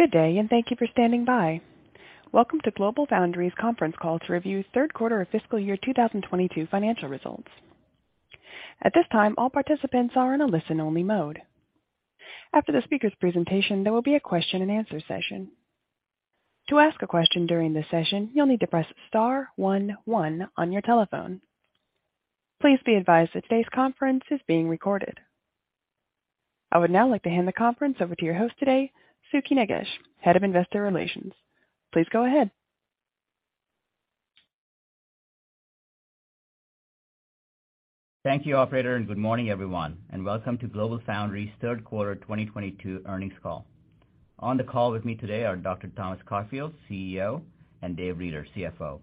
Good day, and thank you for standing by. Welcome to GlobalFoundries conference call to review third quarter of fiscal year 2022 financial results. At this time, all participants are in a listen-only mode. After the speaker's presentation, there will be a question-and-answer session. To ask a question during this session, you'll need to press star one one on your telephone. Please be advised that today's conference is being recorded. I would now like to hand the conference over to your host today, Sukhi Nagesh, Head of Investor Relations. Please go ahead. Thank you, operator, and good morning, everyone, and welcome to GlobalFoundries' third quarter 2022 earnings call. On the call with me today are Dr. Thomas Caulfield, CEO, and Dave Reeder, CFO.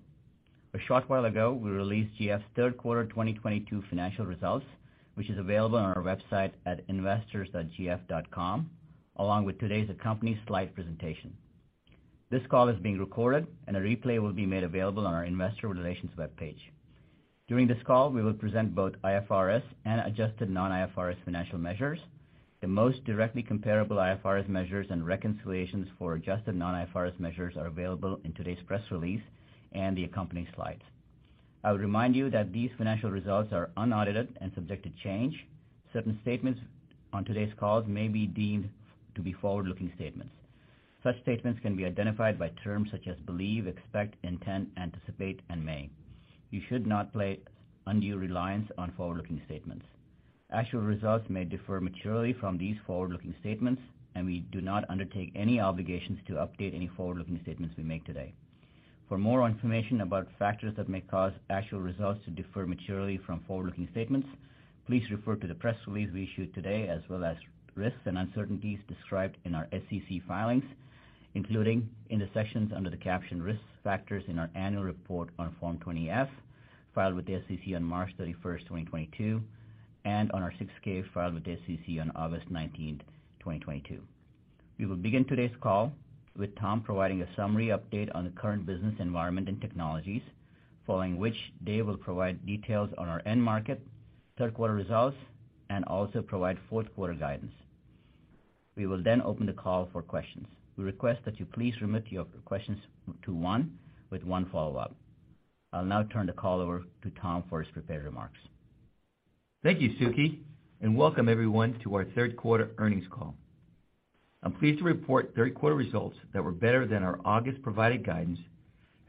A short while ago, we released GF's third quarter 2022 financial results, which is available on our website at investors.gf.com, along with today's company slide presentation. This call is being recorded, and a replay will be made available on our investor relations webpage. During this call, we will present both IFRS and adjusted non-IFRS financial measures. The most directly comparable IFRS measures and reconciliations for adjusted non-IFRS measures are available in today's press release and the accompanying slides. I would remind you that these financial results are unaudited and subject to change. Certain statements on today's call may be deemed to be forward-looking statements. Such statements can be identified by terms such as believe, expect, intend, anticipate, and may. You should not place undue reliance on forward-looking statements. Actual results may differ materially from these forward-looking statements, and we do not undertake any obligations to update any forward-looking statements we make today. For more information about factors that may cause actual results to differ materially from forward-looking statements, please refer to the press release we issued today, as well as risks and uncertainties described in our SEC filings, including in the sections under the caption Risk Factors in our annual report on Form 20-F, filed with the SEC on March 31, 2022, and on our 6-K filed with the SEC on August 19, 2022. We will begin today's call with Tom providing a summary update on the current business environment and technologies, following which Dave will provide details on our end market, third-quarter results, and also provide fourth-quarter guidance. We will then open the call for questions. We request that you please limit your questions to one with one follow-up. I'll now turn the call over to Tom for his prepared remarks. Thank you, Suki, and welcome everyone to our third quarter earnings call. I'm pleased to report third quarter results that were better than our August-provided guidance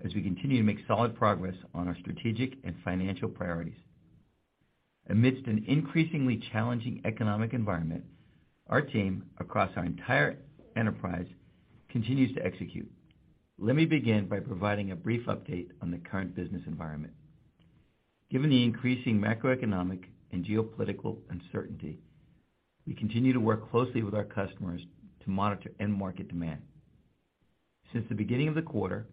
as we continue to make solid progress on our strategic and financial priorities. Amidst an increasingly challenging economic environment, our team across our entire enterprise continues to execute. Let me begin by providing a brief update on the current business environment. Given the increasing macroeconomic and geopolitical uncertainty, we continue to work closely with our customers to monitor end market demand. Since the beginning of the quarter,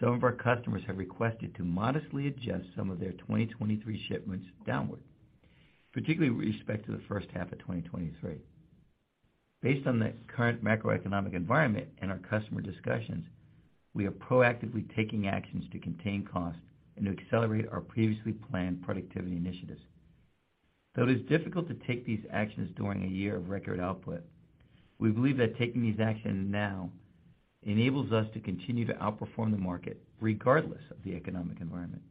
some of our customers have requested to modestly adjust some of their 2023 shipments downward, particularly with respect to the first half of 2023. Based on the current macroeconomic environment and our customer discussions, we are proactively taking actions to contain costs and to accelerate our previously planned productivity initiatives. Though it is difficult to take these actions during a year of record output, we believe that taking these actions now enables us to continue to outperform the market regardless of the economic environment.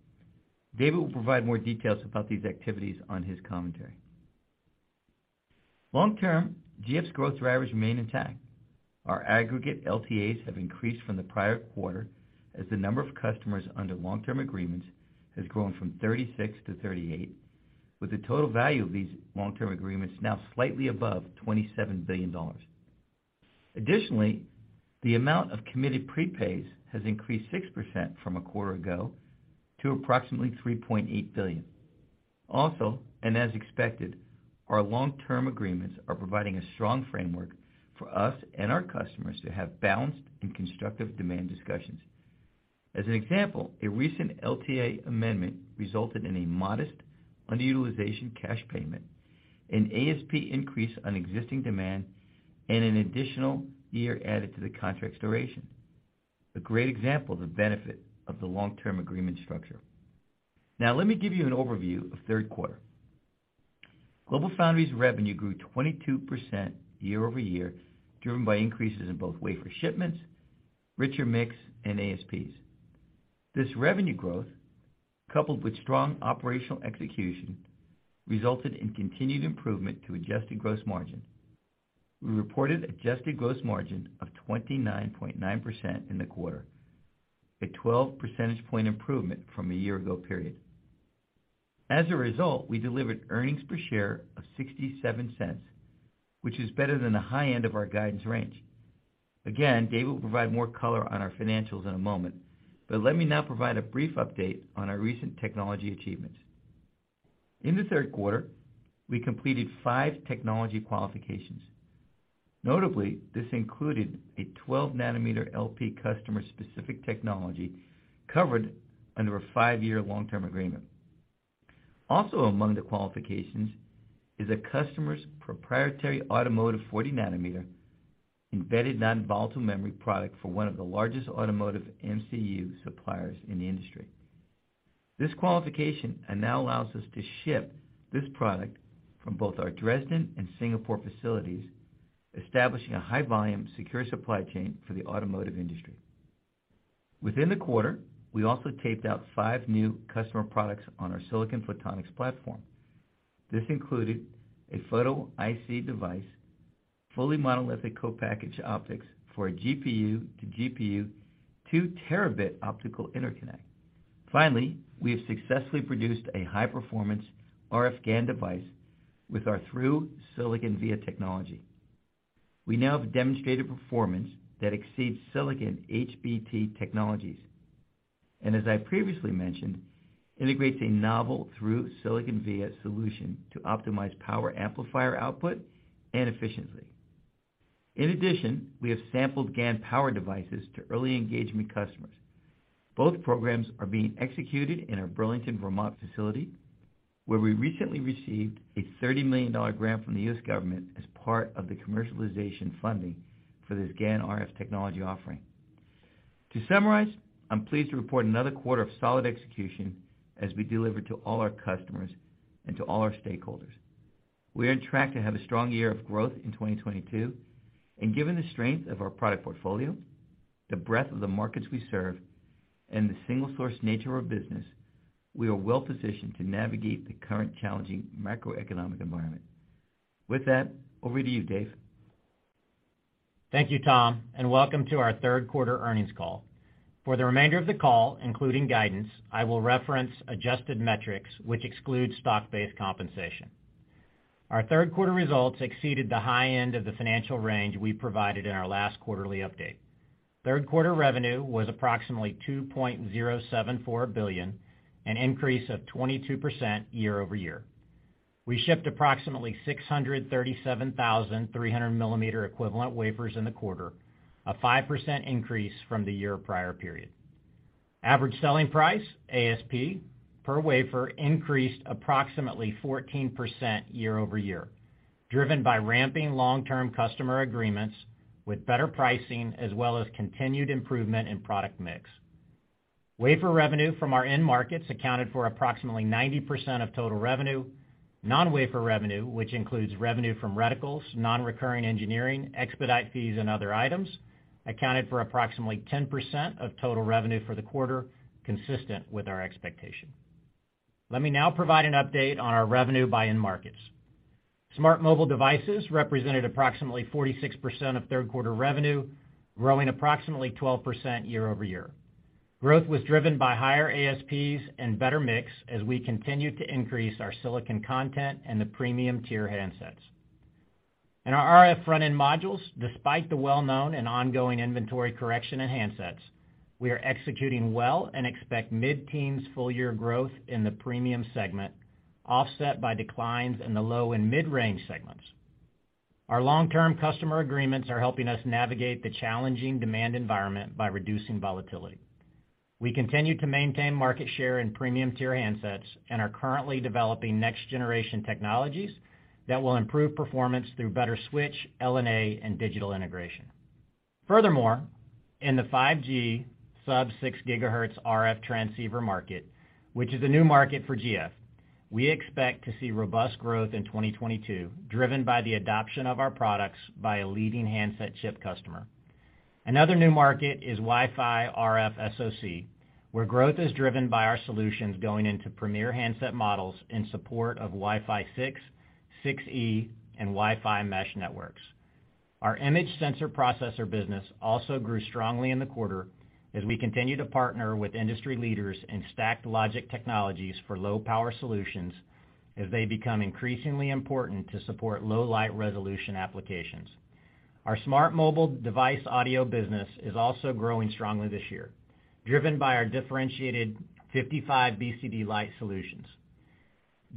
Dave will provide more details about these activities on his commentary. Long-term, GF's growth drivers remain intact. Our aggregate LTAs have increased from the prior quarter as the number of customers under long-term agreements has grown from 36 to 38, with the total value of these long-term agreements now slightly above $27 billion. Additionally, the amount of committed prepays has increased 6% from a quarter ago to approximately $3.8 billion. Also, and as expected, our long-term agreements are providing a strong framework for us and our customers to have balanced and constructive demand discussions. As an example, a recent LTA amendment resulted in a modest underutilization cash payment, an ASP increase on existing demand, and an additional year added to the contract's duration. A great example of the benefit of the long-term agreement structure. Now, let me give you an overview of third quarter. GlobalFoundries revenue grew 22% year-over-year, driven by increases in both wafer shipments, richer mix, and ASPs. This revenue growth, coupled with strong operational execution, resulted in continued improvement to adjusted gross margin. We reported adjusted gross margin of 29.9% in the quarter, a 12-percentage-point improvement from a year ago period. As a result, we delivered earnings per share of $0.67, which is better than the high end of our guidance range. Again, Dave will provide more color on our financials in a moment, but let me now provide a brief update on our recent technology achievements. In the third quarter, we completed 5 technology qualifications. Notably, this included a 12-nanometer LP customer-specific technology covered under a 5-year long-term agreement. Also among the qualifications is a customer's proprietary automotive 40-nanometer embedded non-volatile memory product for one of the largest automotive MCU suppliers in the industry. This qualification, and now allows us to ship this product from both our Dresden and Singapore facilities, establishing a high volume secure supply chain for the automotive industry. Within the quarter, we also taped out 5 new customer products on our silicon photonics platform. This included a photonic IC device, fully monolithic co-packaged optics for a GPU to GPU 2 terabit optical interconnect. Finally, we have successfully produced a high-performance RF GaN device with our through-silicon via technology. We now have demonstrated performance that exceeds silicon HBT technologies, and as I previously mentioned, integrates a novel through-silicon via solution to optimize power amplifier output and efficiency. In addition, we have sampled GaN power devices to early engagement customers. Both programs are being executed in our Burlington, Vermont facility, where we recently received a $30 million grant from the U.S. government as part of the commercialization funding for this GaN RF technology offering. To summarize, I'm pleased to report another quarter of solid execution as we deliver to all our customers and to all our stakeholders. We are on track to have a strong year of growth in 2022, and given the strength of our product portfolio, the breadth of the markets we serve, and the single source nature of business, we are well-positioned to navigate the current challenging macroeconomic environment. With that, over to you, Dave. Thank you, Tom, and welcome to our third quarter earnings call. For the remainder of the call, including guidance, I will reference adjusted metrics, which excludes stock-based compensation. Our third quarter results exceeded the high end of the financial range we provided in our last quarterly update. Third quarter revenue was approximately $2.074 billion, an increase of 22% year-over-year. We shipped approximately 637,000 300-millimeter equivalent wafers in the quarter, a 5% increase from the year prior period. Average selling price, ASP, per wafer increased approximately 14% year-over-year, driven by ramping long-term customer agreements with better pricing as well as continued improvement in product mix. Wafer revenue from our end markets accounted for approximately 90% of total revenue. Non-wafer revenue, which includes revenue from reticles, non-recurring engineering, expedite fees and other items, accounted for approximately 10% of total revenue for the quarter, consistent with our expectation. Let me now provide an update on our revenue by end markets. Smart mobile devices represented approximately 46% of third quarter revenue, growing approximately 12% year-over-year. Growth was driven by higher ASPs and better mix as we continued to increase our silicon content in the premium tier handsets. In our RF front-end modules, despite the well-known and ongoing inventory correction in handsets, we are executing well and expect mid-teens full year growth in the premium segment, offset by declines in the low and mid-range segments. Our long-term customer agreements are helping us navigate the challenging demand environment by reducing volatility. We continue to maintain market share in premium tier handsets and are currently developing next generation technologies that will improve performance through better switch, LNA, and digital integration. Furthermore, in the 5G sub-6 GHz RF transceiver market, which is a new market for GF, we expect to see robust growth in 2022, driven by the adoption of our products by a leading handset chip customer. Another new market is Wi-Fi RF SoC, where growth is driven by our solutions going into premier handset models in support of Wi-Fi 6, 6E, and Wi-Fi mesh networks. Our image sensor processor business also grew strongly in the quarter as we continue to partner with industry leaders in stacked logic technologies for low power solutions as they become increasingly important to support low light resolution applications. Our smart mobile device audio business is also growing strongly this year, driven by our differentiated 55 BCDLite solutions.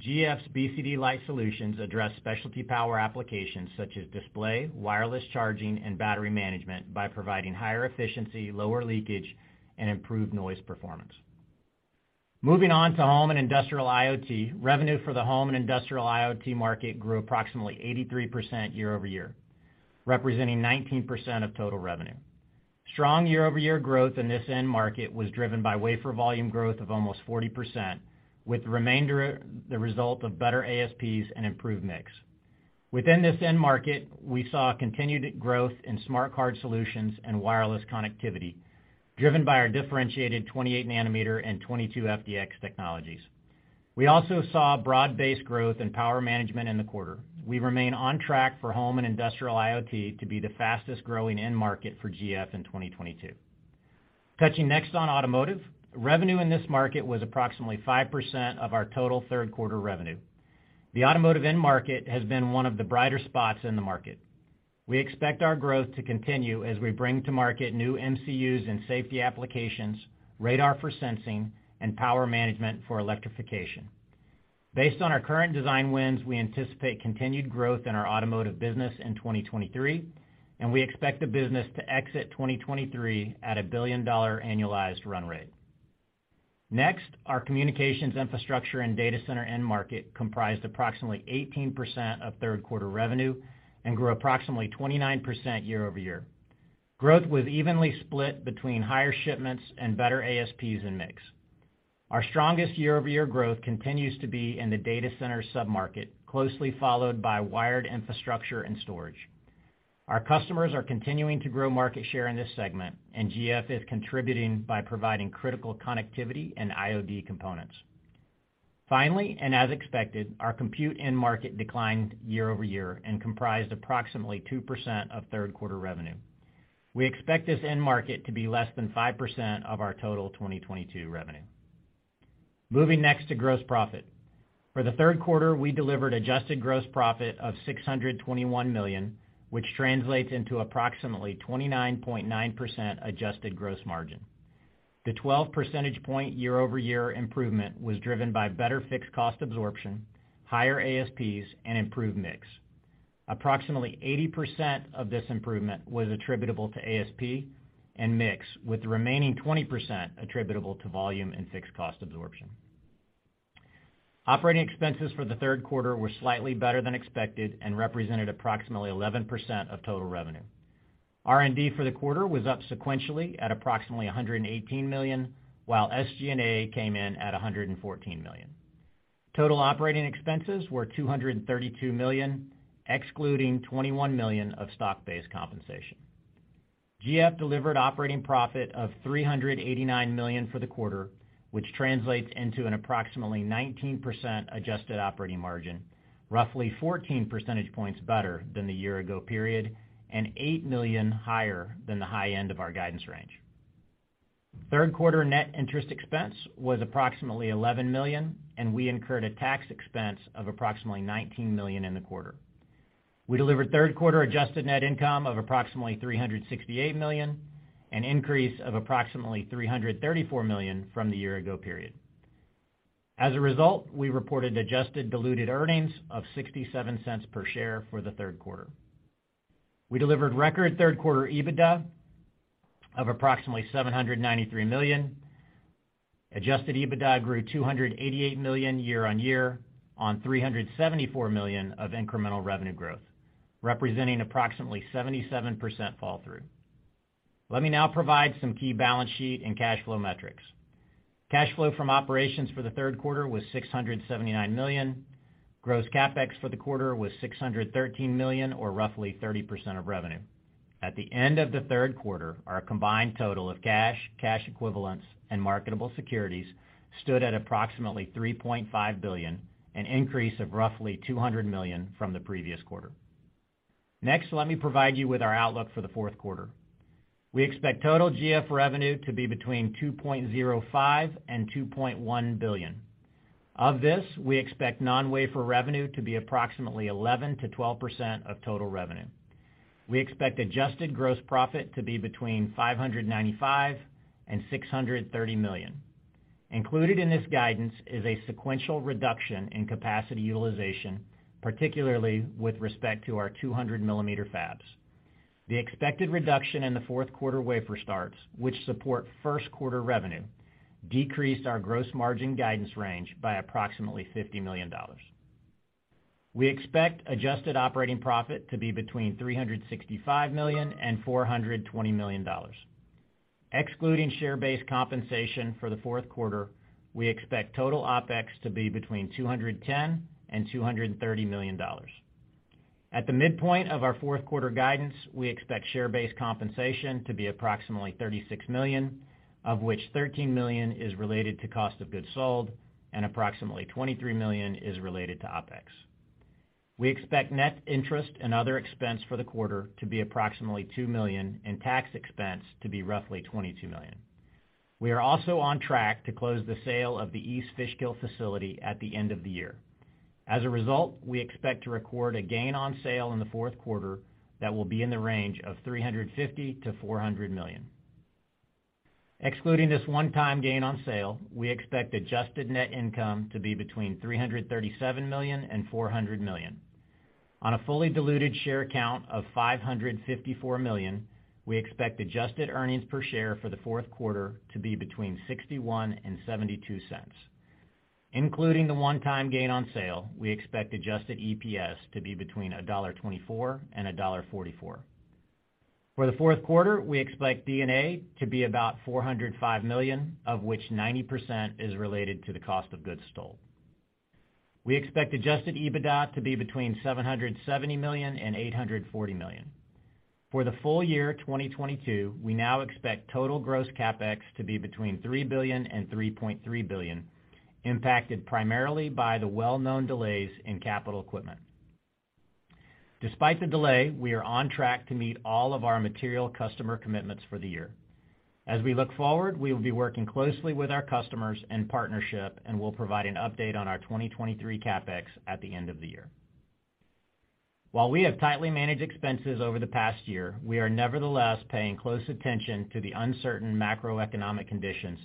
GF's BCDLite solutions address specialty power applications such as display, wireless charging, and battery management by providing higher efficiency, lower leakage, and improved noise performance. Moving on to home and industrial IoT. Revenue for the home and industrial IoT market grew approximately 83% year over year, representing 19% of total revenue. Strong year over year growth in this end market was driven by wafer volume growth of almost 40%, with the remainder the result of better ASPs and improved mix. Within this end market, we saw continued growth in smart card solutions and wireless connectivity driven by our differentiated 28nm and 22FDX technologies. We also saw broad-based growth in power management in the quarter. We remain on track for home and industrial IoT to be the fastest growing end market for GF in 2022. Touching next on automotive. Revenue in this market was approximately 5% of our total third quarter revenue. The automotive end market has been one of the brighter spots in the market. We expect our growth to continue as we bring to market new MCUs in safety applications, radar for sensing, and power management for electrification. Based on our current design wins, we anticipate continued growth in our automotive business in 2023, and we expect the business to exit 2023 at a billion-dollar annualized run rate. Next, our communications infrastructure and data center end market comprised approximately 18% of third quarter revenue and grew approximately 29% year-over-year. Growth was evenly split between higher shipments and better ASPs and mix. Our strongest year-over-year growth continues to be in the data center sub-market, closely followed by wired infrastructure and storage. Our customers are continuing to grow market share in this segment, and GF is contributing by providing critical connectivity and I/O die components. Finally, as expected, our compute end market declined year-over-year and comprised approximately 2% of third quarter revenue. We expect this end market to be less than 5% of our total 2022 revenue. Moving next to gross profit. For the third quarter, we delivered adjusted gross profit of $621 million, which translates into approximately 29.9% adjusted gross margin. The 12 percentage point year-over-year improvement was driven by better fixed cost absorption, higher ASPs, and improved mix. Approximately 80% of this improvement was attributable to ASP and mix, with the remaining 20% attributable to volume and fixed cost absorption. Operating expenses for the third quarter were slightly better than expected and represented approximately 11% of total revenue. R&D for the quarter was up sequentially at approximately $118 million, while SG&A came in at $114 million. Total operating expenses were $232 million, excluding $21 million of stock-based compensation. GF delivered operating profit of $389 million for the quarter, which translates into an approximately 19% adjusted operating margin, roughly 14 percentage points better than the year ago period and $8 million higher than the high end of our guidance range. Third quarter net interest expense was approximately $11 million, and we incurred a tax expense of approximately $19 million in the quarter. We delivered third quarter adjusted net income of approximately $368 million, an increase of approximately $334 million from the year ago period. As a result, we reported adjusted diluted earnings of $0.67 per share for the third quarter. We delivered record third quarter EBITDA of approximately $793 million. Adjusted EBITDA grew $288 million year-over-year on $374 million of incremental revenue growth, representing approximately 77% fall through. Let me now provide some key balance sheet and cash flow metrics. Cash flow from operations for the third quarter was $679 million. Gross CapEx for the quarter was $613 million, or roughly 30% of revenue. At the end of the third quarter, our combined total of cash equivalents, and marketable securities stood at approximately $3.5 billion, an increase of roughly $200 million from the previous quarter. Next, let me provide you with our outlook for the fourth quarter. We expect total GF revenue to be between $2.05 billion and $2.1 billion. Of this, we expect non-wafer revenue to be approximately 11%-12% of total revenue. We expect adjusted gross profit to be between $595 million and $630 million. Included in this guidance is a sequential reduction in capacity utilization, particularly with respect to our 200 millimeter fabs. The expected reduction in the fourth quarter wafer starts, which support first quarter revenue, decreased our gross margin guidance range by approximately $50 million. We expect adjusted operating profit to be between $365 million and $420 million. Excluding share-based compensation for the fourth quarter, we expect total OpEx to be between $210 million and $230 million. At the midpoint of our fourth quarter guidance, we expect share-based compensation to be approximately $36 million, of which $13 million is related to cost of goods sold and approximately $23 million is related to OpEx. We expect net interest and other expense for the quarter to be approximately $2 million and tax expense to be roughly $22 million. We are also on track to close the sale of the East Fishkill facility at the end of the year. As a result, we expect to record a gain on sale in the fourth quarter that will be in the range of $350 million-$400 million. Excluding this one-time gain on sale, we expect adjusted net income to be between $337 million and $400 million. On a fully diluted share count of 554 million, we expect adjusted earnings per share for the fourth quarter to be between $0.61 and $0.72. Including the one-time gain on sale, we expect adjusted EPS to be between $1.24 and $1.44. For the fourth quarter, we expect D&A to be about $405 million, of which 90% is related to the cost of goods sold. We expect adjusted EBITDA to be between $770 million and $840 million. For the full year 2022, we now expect total gross CapEx to be between $3 billion and $3.3 billion, impacted primarily by the well-known delays in capital equipment. Despite the delay, we are on track to meet all of our material customer commitments for the year. As we look forward, we will be working closely with our customers in partnership, and we'll provide an update on our 2023 CapEx at the end of the year. While we have tightly managed expenses over the past year, we are nevertheless paying close attention to the uncertain macroeconomic conditions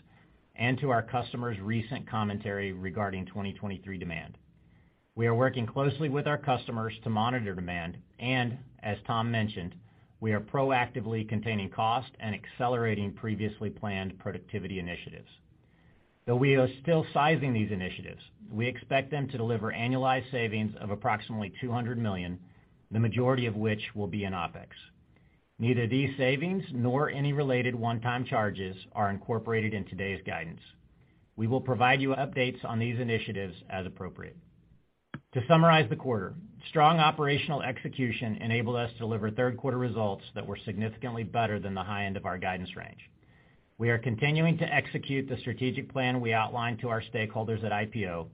and to our customers' recent commentary regarding 2023 demand. We are working closely with our customers to monitor demand, and as Tom mentioned, we are proactively containing cost and accelerating previously planned productivity initiatives. Though we are still sizing these initiatives, we expect them to deliver annualized savings of approximately $200 million, the majority of which will be in OpEx. Neither these savings nor any related one-time charges are incorporated in today's guidance. We will provide you updates on these initiatives as appropriate. To summarize the quarter, strong operational execution enabled us to deliver third quarter results that were significantly better than the high end of our guidance range. We are continuing to execute the strategic plan we outlined to our stakeholders at IPO,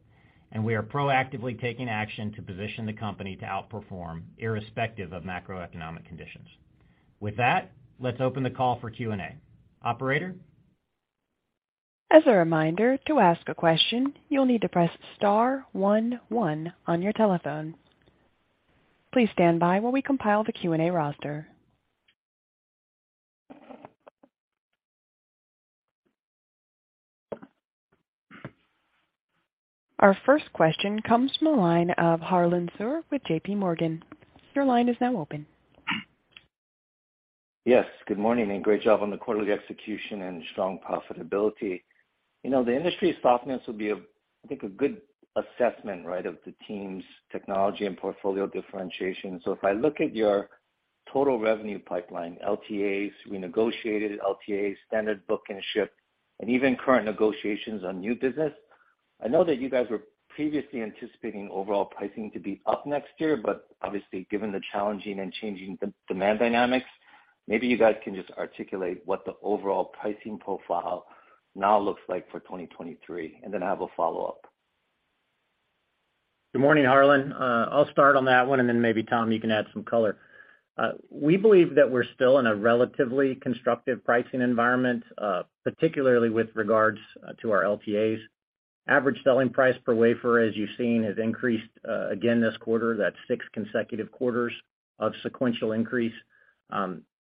and we are proactively taking action to position the company to outperform irrespective of macroeconomic conditions. With that, let's open the call for Q&A. Operator? As a reminder, to ask a question, you'll need to press star one one on your telephone. Please stand by while we compile the Q&A roster. Our first question comes from the line of Harlan Sur with J.P. Morgan. Your line is now open. Yes, good morning, and great job on the quarterly execution and strong profitability. You know, the industry softness will be a, I think, a good assessment, right, of the team's technology and portfolio differentiation. If I look at your total revenue pipeline, LTAs, renegotiated LTAs, standard book and ship, and even current negotiations on new business, I know that you guys were previously anticipating overall pricing to be up next year, but obviously, given the challenging and changing demand dynamics, maybe you guys can just articulate what the overall pricing profile now looks like for 2023. I have a follow-up. Good morning, Harlan. I'll start on that one, and then maybe Tom, you can add some color. We believe that we're still in a relatively constructive pricing environment, particularly with regards to our LTAs. Average selling price per wafer, as you've seen, has increased again this quarter. That's six consecutive quarters of sequential increase.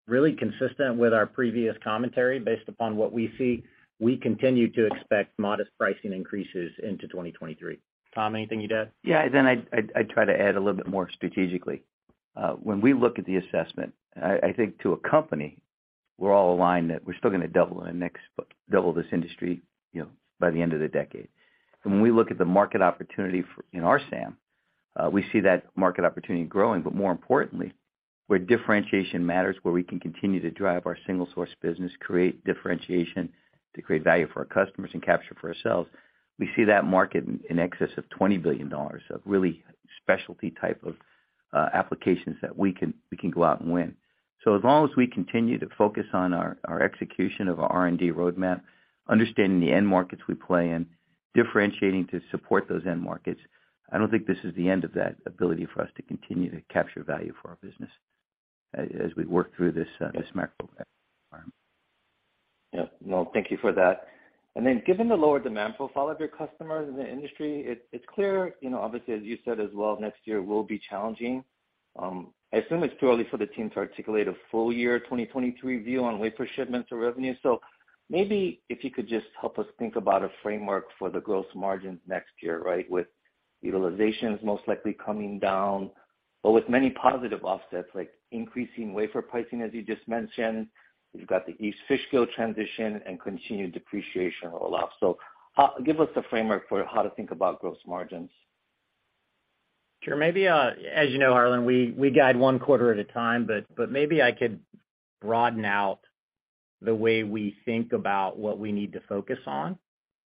Really consistent with our previous commentary based upon what we see, we continue to expect modest pricing increases into 2023. Tom, anything you'd add? I'd try to add a little bit more strategically. When we look at the assessment, I think to a man, we're all aligned that we're still gonna double in the next five, double this industry, you know, by the end of the decade. When we look at the market opportunity in our SAM, we see that market opportunity growing, but more importantly, where differentiation matters, where we can continue to drive our single source business, create differentiation to create value for our customers and capture for ourselves, we see that market in excess of $20 billion of really specialty type of applications that we can go out and win. As long as we continue to focus on our execution of our R&D roadmap, understanding the end markets we play in, differentiating to support those end markets, I don't think this is the end of that ability for us to continue to capture value for our business as we work through this macro environment. Yeah. No, thank you for that. Given the lower demand profile of your customers in the industry, it's clear, you know, obviously as you said as well, next year will be challenging. I assume it's too early for the team to articulate a full year 2023 view on wafer shipments or revenue. Maybe if you could just help us think about a framework for the gross margins next year, right? With utilizations most likely coming down, but with many positive offsets like increasing wafer pricing, as you just mentioned. You've got the East Fishkill transition and continued depreciation roll off. Give us the framework for how to think about gross margins. Sure. Maybe, as you know, Harlan, we guide one quarter at a time, but maybe I could broaden out the way we think about what we need to focus on,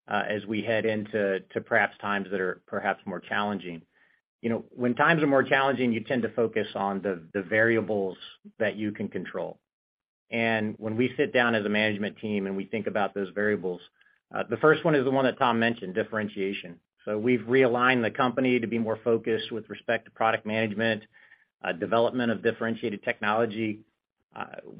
as we head into perhaps times that are perhaps more challenging. You know, when times are more challenging, you tend to focus on the variables that you can control. When we sit down as a management team and we think about those variables, the first one is the one that Tom mentioned, differentiation. We've realigned the company to be more focused with respect to product management, development of differentiated technology.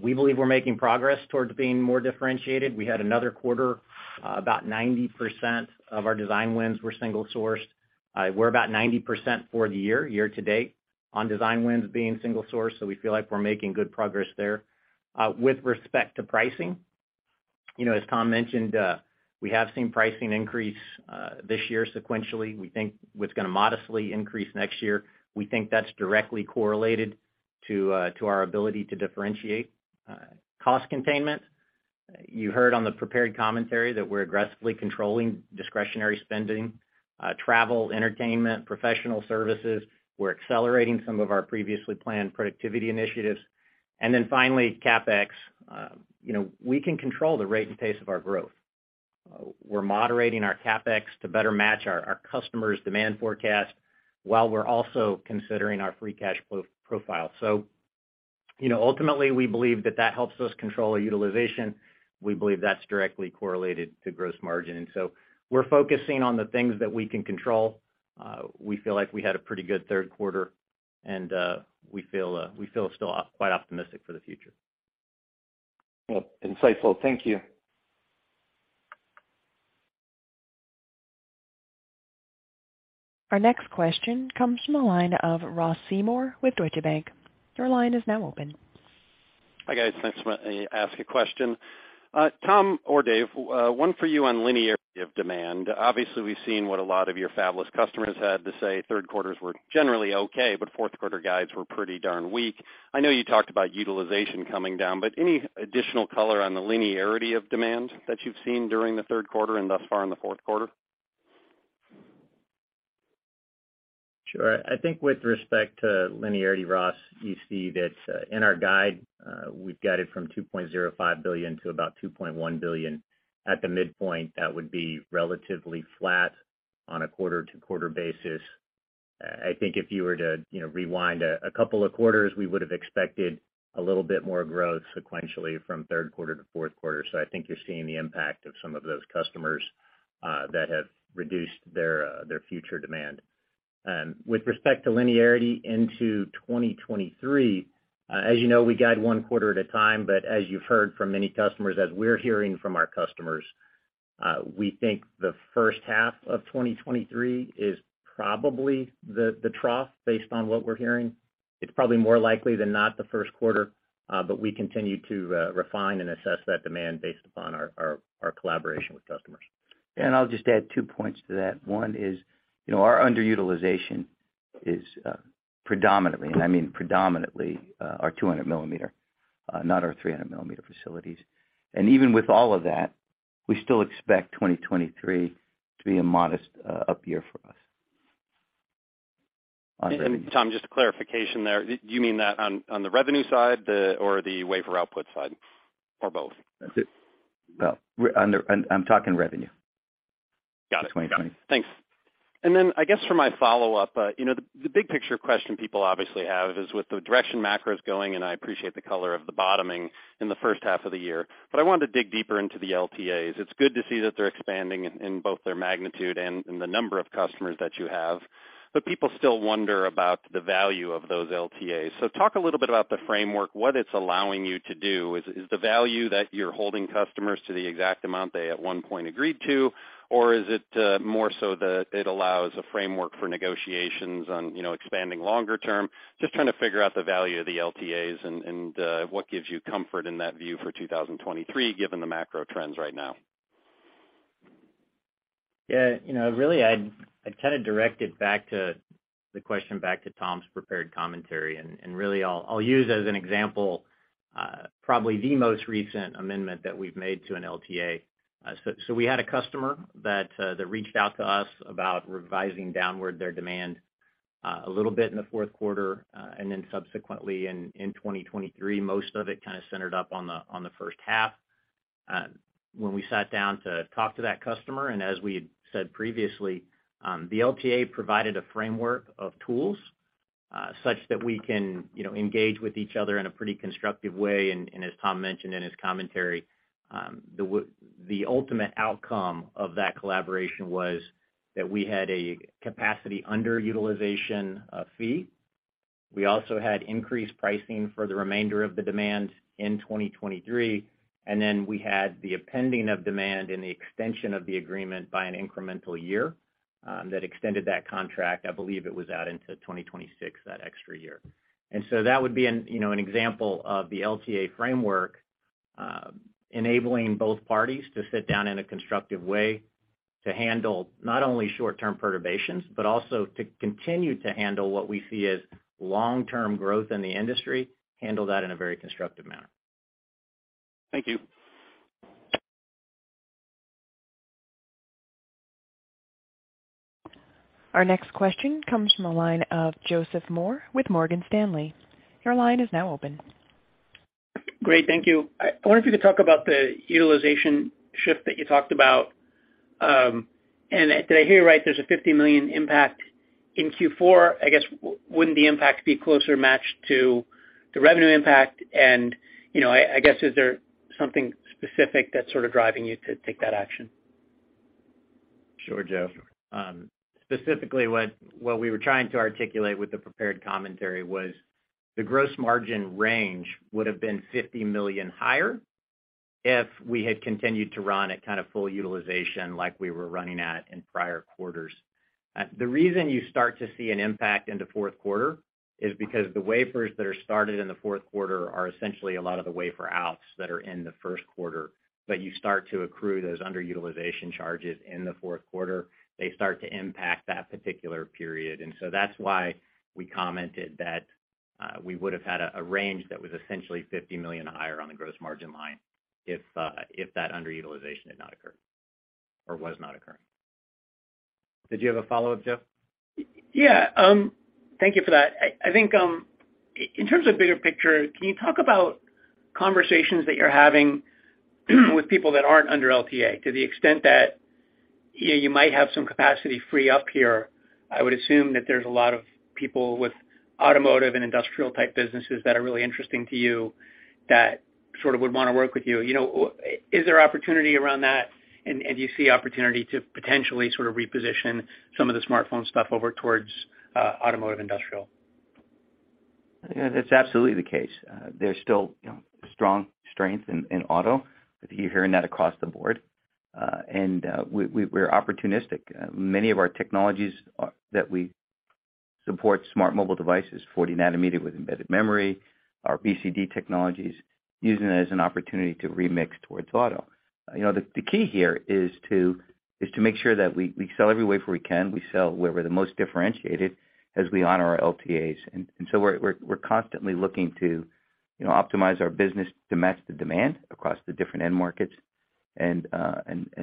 We believe we're making progress towards being more differentiated. We had another quarter, about 90% of our design wins were single-sourced. We're about 90% for the year to date on design wins being single source, so we feel like we're making good progress there. With respect to pricing, you know, as Tom mentioned, we have seen pricing increase this year sequentially. We think it's gonna modestly increase next year. We think that's directly correlated to our ability to differentiate. Cost containment. You heard on the prepared commentary that we're aggressively controlling discretionary spending, travel, entertainment, professional services. We're accelerating some of our previously planned productivity initiatives. Finally, CapEx. You know, we can control the rate and pace of our growth. We're moderating our CapEx to better match our customers' demand forecast while we're also considering our free cash flow profile. Ultimately, we believe that helps us control our utilization. We believe that's directly correlated to gross margin. We're focusing on the things that we can control. We feel like we had a pretty good third quarter, and we feel still quite optimistic for the future. Well, insightful. Thank you. Our next question comes from the line of Ross Seymore with Deutsche Bank. Your line is now open. Hi, guys. Thanks for letting me ask a question. Tom or Dave, one for you on linearity of demand. Obviously, we've seen what a lot of your fabulous customers had to say. Third quarters were generally okay, but fourth quarter guides were pretty darn weak. I know you talked about utilization coming down, but any additional color on the linearity of demand that you've seen during the third quarter and thus far in the fourth quarter? Sure. I think with respect to linearity, Ross, you see that in our guide we've got it from $2.05-$2.1 billion. At the midpoint, that would be relatively flat on a quarter-to-quarter basis. I think if you were to you know rewind a couple of quarters, we would have expected a little bit more growth sequentially from third quarter to fourth quarter. I think you're seeing the impact of some of those customers that have reduced their future demand. With respect to linearity into 2023, as you know, we guide one quarter at a time, but as you've heard from many customers, as we're hearing from our customers, we think the first half of 2023 is probably the trough based on what we're hearing. It's probably more likely than not the first quarter, but we continue to refine and assess that demand based upon our collaboration with customers. I'll just add two points to that. One is, you know, our underutilization is predominantly, and I mean predominantly, our 200 millimeter, not our 300 millimeter facilities. Even with all of that, we still expect 2023 to be a modest up year for us. Tom, just a clarification there. Do you mean that on the revenue side, or the wafer output side, or both? That's it. Well, I'm talking revenue. Got it. 2020. Got it. Thanks. I guess for my follow-up, you know, the big picture question people obviously have is with the direction macro is going, and I appreciate the color of the bottoming in the first half of the year, but I wanted to dig deeper into the LTAs. It's good to see that they're expanding in both their magnitude and the number of customers that you have, but people still wonder about the value of those LTAs. Talk a little bit about the framework, what it's allowing you to do. Is the value that you're holding customers to the exact amount they at one point agreed to, or is it more so that it allows a framework for negotiations on, you know, expanding longer term? Just trying to figure out the value of the LTAs and what gives you comfort in that view for 2023, given the macro trends right now. Yeah, you know, really, I'd kind of direct it back to the question, back to Tom's prepared commentary, and really I'll use as an example, probably the most recent amendment that we've made to an LTA. So we had a customer that reached out to us about revising downward their demand, a little bit in the fourth quarter, and then subsequently in 2023, most of it kind of centered on the first half. When we sat down to talk to that customer, and as we had said previously, the LTA provided a framework of tools, such that we can, you know, engage with each other in a pretty constructive way. As Tom mentioned in his commentary, the ultimate outcome of that collaboration was that we had a capacity underutilization fee. We also had increased pricing for the remainder of the demand in 2023, and then we had the appending of demand and the extension of the agreement by an incremental year that extended that contract, I believe it was out into 2026, that extra year. That would be, you know, an example of the LTA framework enabling both parties to sit down in a constructive way to handle not only short-term perturbations, but also to continue to handle what we see as long-term growth in the industry, handle that in a very constructive manner. Thank you. Our next question comes from the line of Joseph Moore with Morgan Stanley. Your line is now open. Great. Thank you. I wonder if you could talk about the utilization shift that you talked about, and did I hear right, there's a $50 million impact in Q4? I guess, wouldn't the impact be closer matched to the revenue impact? You know, I guess, is there something specific that's sort of driving you to take that action? Sure, Joe. Specifically what we were trying to articulate with the prepared commentary was the gross margin range would have been $50 million higher if we had continued to run at kind of full utilization like we were running at in prior quarters. The reason you start to see an impact into fourth quarter is because the wafers that are started in the fourth quarter are essentially a lot of the wafer outs that are in the first quarter, but you start to accrue those underutilization charges in the fourth quarter. They start to impact that particular period. That's why we commented that we would have had a range that was essentially $50 million higher on the gross margin line if that underutilization had not occurred or was not occurring. Did you have a follow-up, Joe? Yeah, thank you for that. I think, in terms of bigger picture, can you talk about conversations that you're having with people that aren't under LTA to the extent that, you know, you might have some capacity free up here? I would assume that there's a lot of people with automotive and industrial type businesses that are really interesting to you that sort of would want to work with you. You know, is there opportunity around that, and do you see opportunity to potentially sort of reposition some of the smartphone stuff over towards automotive industrial? That's absolutely the case. There's still, you know, strong strength in auto. You're hearing that across the board. We're opportunistic. Many of our technologies are that we support smart mobile devices, 40nm with embedded memory, our BCD technologies, using that as an opportunity to remix towards auto. You know, the key here is to make sure that we sell every wafer we can. We sell where we're the most differentiated as we honor our LTAs. We're constantly looking to, you know, optimize our business to match the demand across the different end markets. Leveraging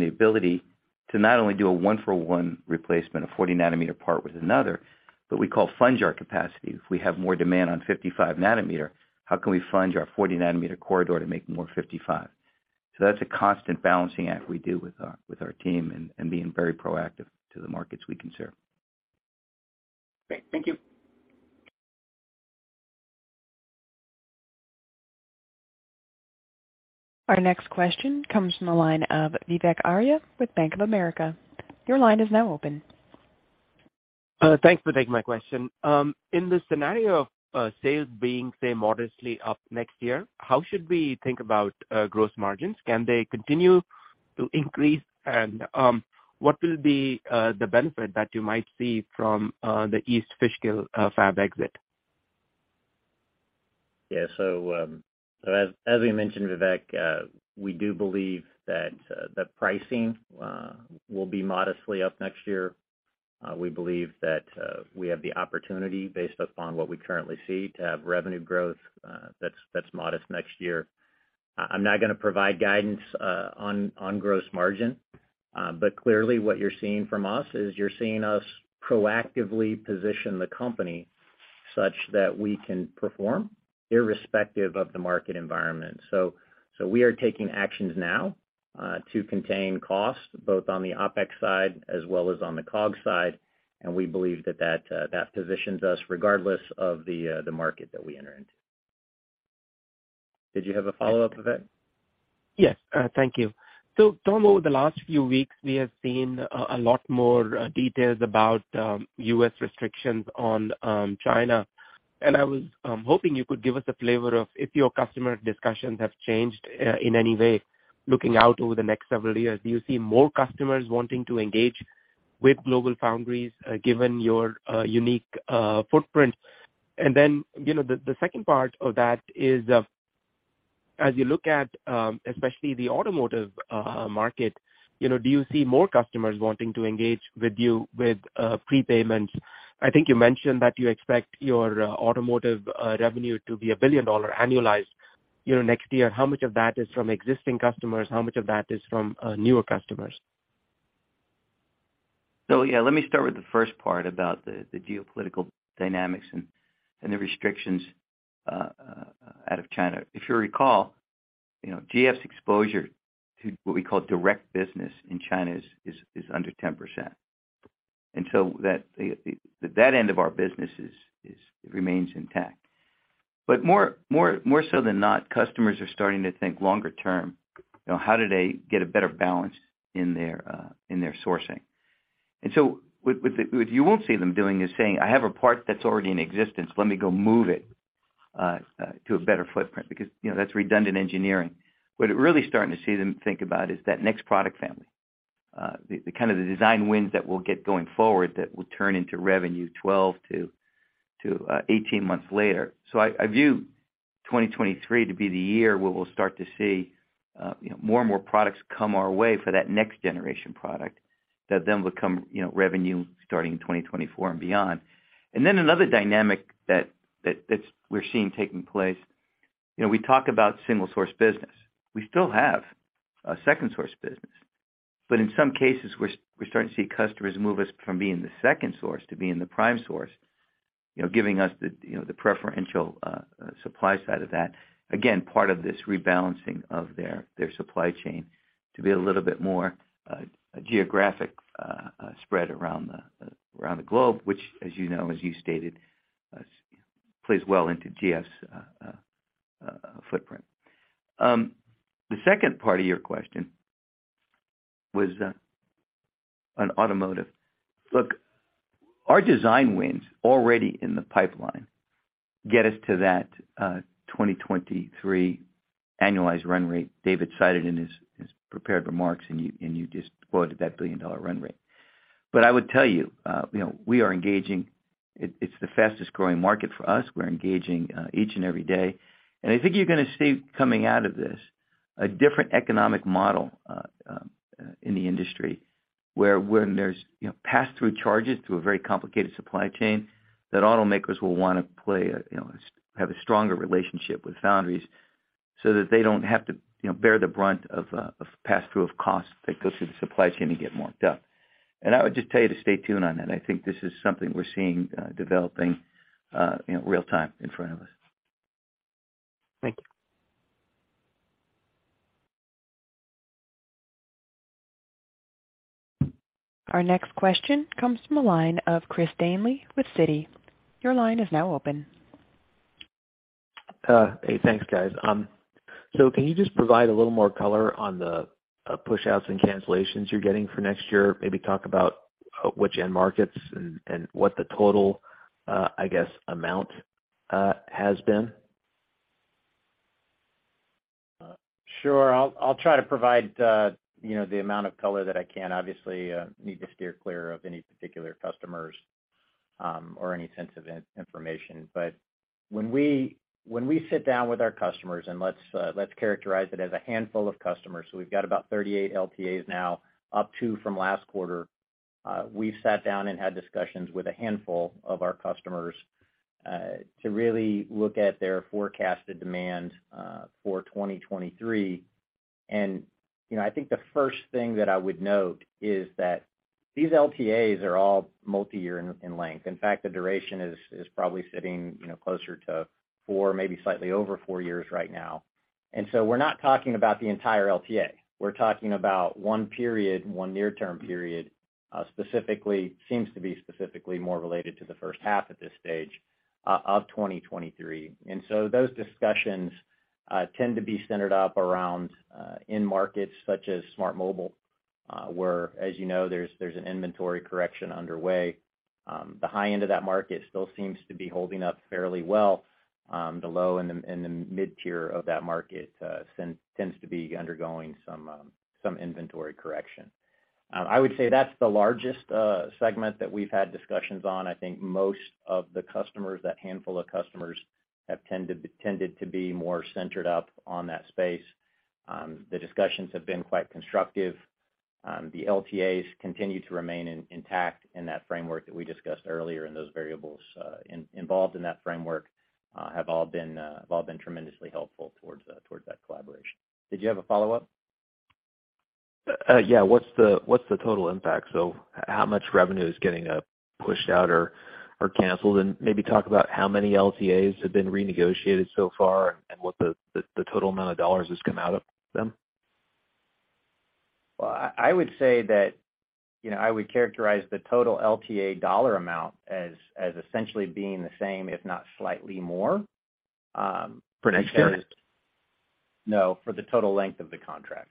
the ability to not only do a one-for-one replacement of 40nm part with another, but we call sponge our capacity. If we have more demand on 55 nanometer, how can we sponge our 40-nanometer corridor to make more 55? That's a constant balancing act we do with our team and being very proactive to the markets we can serve. Great. Thank you. Our next question comes from the line of Vivek Arya with Bank of America. Your line is now open. Thanks for taking my question. In the scenario of sales being, say, modestly up next year, how should we think about gross margins? Can they continue to increase? What will be the benefit that you might see from the East Fishkill fab exit? As we mentioned, Vivek, we do believe that the pricing will be modestly up next year. We believe that we have the opportunity based upon what we currently see, to have revenue growth that's modest next year. I'm not gonna provide guidance on gross margin. Clearly what you're seeing from us is you're seeing us proactively position the company such that we can perform irrespective of the market environment. We are taking actions now to contain costs both on the OpEx side as well as on the COGS side. We believe that positions us regardless of the market that we enter into. Did you have a follow-up, Vivek? Yes. Thank you. Tom, over the last few weeks, we have seen a lot more details about U.S. restrictions on China, and I was hoping you could give us a flavor of if your customer discussions have changed in any way looking out over the next several years. Do you see more customers wanting to engage with GlobalFoundries, given your unique footprint? You know, the second part of that is, as you look at especially the automotive market, you know, do you see more customers wanting to engage with you with prepayments? I think you mentioned that you expect your automotive revenue to be a $1 billion annualized, you know, next year. How much of that is from existing customers? How much of that is from newer customers? Yeah, let me start with the first part about the geopolitical dynamics and the restrictions out of China. If you recall, you know, GF's exposure to what we call direct business in China is under 10%. That end of our business remains intact. More so than not, customers are starting to think longer term, you know, how do they get a better balance in their sourcing. What you won't see them doing is saying, "I have a part that's already in existence, let me go move it to a better footprint," because, you know, that's redundant engineering. What we're really starting to see them think about is that next product family, the kind of design wins that we'll get going forward that will turn into revenue 12 to 18 months later. I view 2023 to be the year where we'll start to see, you know, more and more products come our way for that next generation product that then will become, you know, revenue starting in 2024 and beyond. Another dynamic that that's what we're seeing taking place, you know, we talk about single source business. We still have a second source business, but in some cases we're starting to see customers move us from being the second source to being the prime source, you know, giving us the, you know, the preferential supply side of that, again, part of this rebalancing of their supply chain to be a little bit more geographic spread around the globe, which, as you know, as you stated, plays well into GF's footprint. The second part of your question was on automotive. Look, our design wins already in the pipeline get us to that 2023 annualized run rate Dave cited in his prepared remarks, and you just quoted that $1 billion run rate. But I would tell you know, we are engaging. It's the fastest growing market for us. We're engaging each and every day. I think you're gonna see coming out of this a different economic model in the industry, where when there's, you know, pass-through charges through a very complicated supply chain, that automakers will wanna, you know, have a stronger relationship with foundries so that they don't have to, you know, bear the brunt of pass-through of costs that go through the supply chain and get marked up. I would just tell you to stay tuned on that. I think this is something we're seeing developing, you know, real time in front of us. Thank you. Our next question comes from the line of Chris Danely with Citi. Your line is now open. Hey, thanks, guys. Can you just provide a little more color on the pushouts and cancellations you're getting for next year? Maybe talk about which end markets and what the total, I guess, amount has been. Sure. I'll try to provide you know the amount of color that I can. Obviously need to steer clear of any particular customers or any sensitive information. But when we sit down with our customers, let's characterize it as a handful of customers. We've got about 38 LTAs now, up 2 from last quarter. We've sat down and had discussions with a handful of our customers to really look at their forecasted demand for 2023. You know, I think the first thing that I would note is that these LTAs are all multi-year in length. In fact, the duration is probably sitting, you know, closer to four, maybe slightly over four years right now. We're not talking about the entire LTA. We're talking about one period, one near-term period, specifically seems to be specifically more related to the first half at this stage of 2023. Those discussions tend to be centered around end markets such as smart mobile, where as you know, there's an inventory correction underway. The high end of that market still seems to be holding up fairly well. The low and the mid-tier of that market tends to be undergoing some inventory correction. I would say that's the largest segment that we've had discussions on. I think most of the customers, that handful of customers have tended to be more centered up on that space. The discussions have been quite constructive. The LTAs continue to remain intact in that framework that we discussed earlier, and those variables involved in that framework have all been tremendously helpful towards that collaboration. Did you have a follow-up? Yeah. What's the total impact? How much revenue is getting pushed out or canceled? Maybe talk about how many LTAs have been renegotiated so far and what the total amount of dollars has come out of them. Well, I would say that, you know, I would characterize the total LTA dollar amount as essentially being the same, if not slightly more. For next year? No, for the total length of the contract.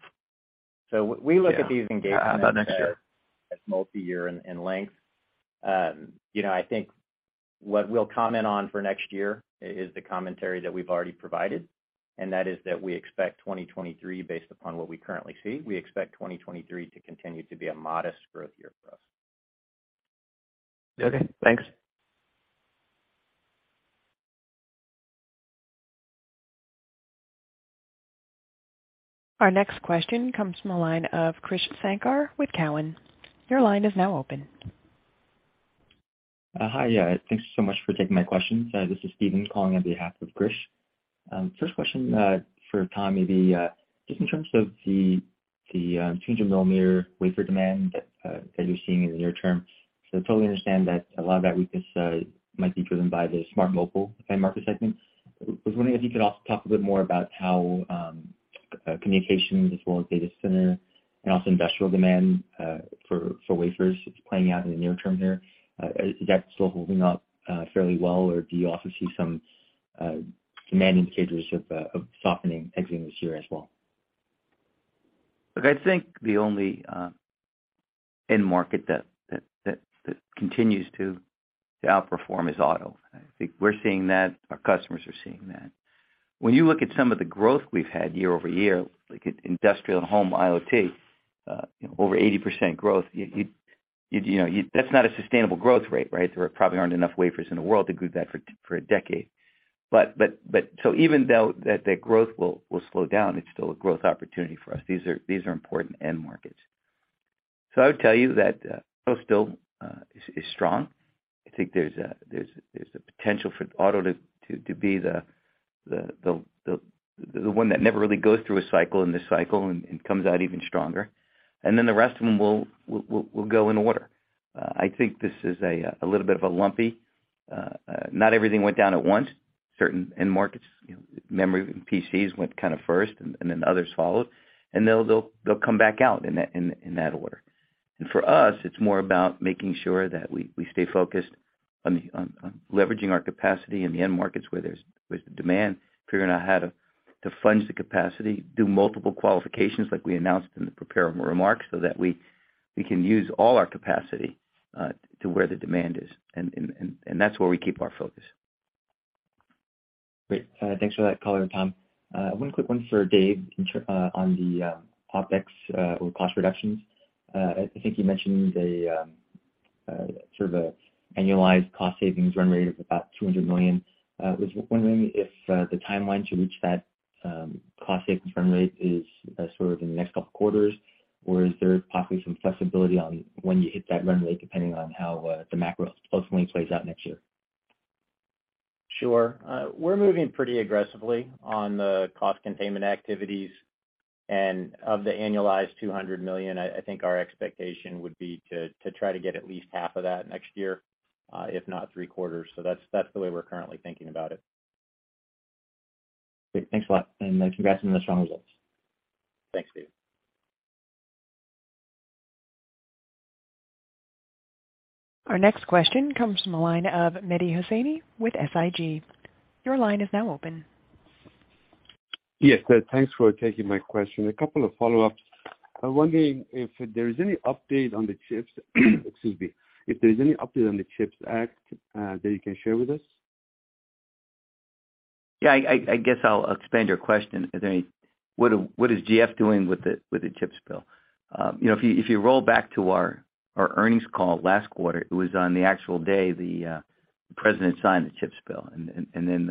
We look at these engagements. How about next year? as multi-year in length. You know, I think what we'll comment on for next year is the commentary that we've already provided, and that is that we expect 2023 based upon what we currently see, we expect 2023 to continue to be a modest growth year for us. Okay, thanks. Our next question comes from the line of Krish Sankar with Cowen. Your line is now open. Hi. Thanks so much for taking my questions. This is Steven calling on behalf of Krish. First question, for Tom, maybe, just in terms of the change in 300 millimeter wafer demand that you're seeing in the near term. Totally understand that a lot of that weakness might be driven by the smart mobile end market segment. Was wondering if you could also talk a bit more about how communications as well as data center and also industrial demand for wafers is playing out in the near term here. Is that still holding up fairly well, or do you also see some leading indicators of softening expected this year as well? Look, I think the only end market that continues to outperform is auto. I think we're seeing that, our customers are seeing that. When you look at some of the growth we've had year-over-year, like at industrial and home IoT, you know, over 80% growth, you know, that's not a sustainable growth rate, right? There probably aren't enough wafers in the world to do that for a decade. So even though that growth will slow down, it's still a growth opportunity for us. These are important end markets. I would tell you that auto still is strong. I think there's a potential for auto to be the one that never really goes through a cycle in this cycle and comes out even stronger. Then the rest of them will go in order. I think this is a little bit of a lumpy. Not everything went down at once. Certain end markets, you know, memory and PCs went kind of first and then others followed. They'll come back out in that order. For us, it's more about making sure that we stay focused on leveraging our capacity in the end markets where the demand is, figuring out how to fund the capacity, do multiple qualifications like we announced in the prepared remarks, so that we can use all our capacity to where the demand is. That's where we keep our focus. Great. Thanks for that color, Tom. One quick one for Dave on the OpEx or cost reductions. I think you mentioned a sort of a annualized cost savings run rate of about $200 million. Was wondering if the timeline to reach that cost savings run rate is sort of in the next couple quarters, or is there possibly some flexibility on when you hit that run rate, depending on how the macro plays out next year? Sure. We're moving pretty aggressively on the cost containment activities. Of the annualized $200 million, I think our expectation would be to try to get at least half of that next year, if not three quarters. That's the way we're currently thinking about it. Great. Thanks a lot, and, congrats on the strong results. Thanks, Steven. Our next question comes from the line of Mehdi Hosseini with SIG. Your line is now open. Yes. Thanks for taking my question. A couple of follow-ups. I'm wondering if there is any update on the CHIPS Act that you can share with us. Yeah. I guess I'll expand your question. What is GF doing with the CHIPS bill? You know, if you roll back to our earnings call last quarter, it was on the actual day the president signed the CHIPS bill, and then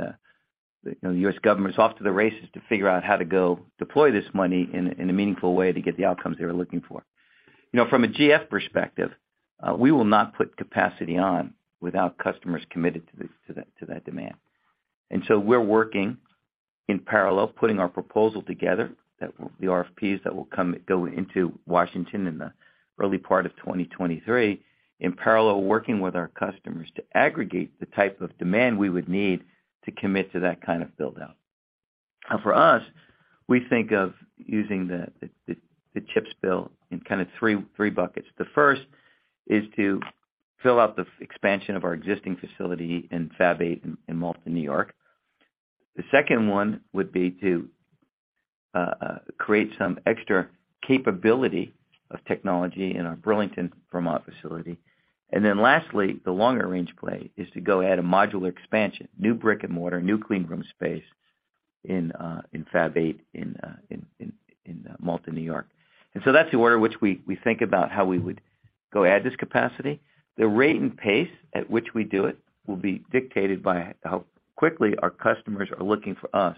the U.S. government's off to the races to figure out how to go deploy this money in a meaningful way to get the outcomes they were looking for. You know, from a GF perspective, we will not put capacity on without customers committed to that demand. We're working in parallel, putting our proposal together that will go into Washington in the early part of 2023 for the RFPs that will come, in parallel working with our customers to aggregate the type of demand we would need to commit to that kind of build-out. For us, we think of using the CHIPS bill in kind of three buckets. The first is to fill out the expansion of our existing facility in Fab 8 in Malta, New York. The second one would be to create some extra capability of technology in our Burlington, Vermont, facility. Lastly, the longer range play is to go add a modular expansion, new brick-and-mortar, new clean room space in Fab 8 in Malta, New York. That's the order which we think about how we would go add this capacity. The rate and pace at which we do it will be dictated by how quickly our customers are looking for us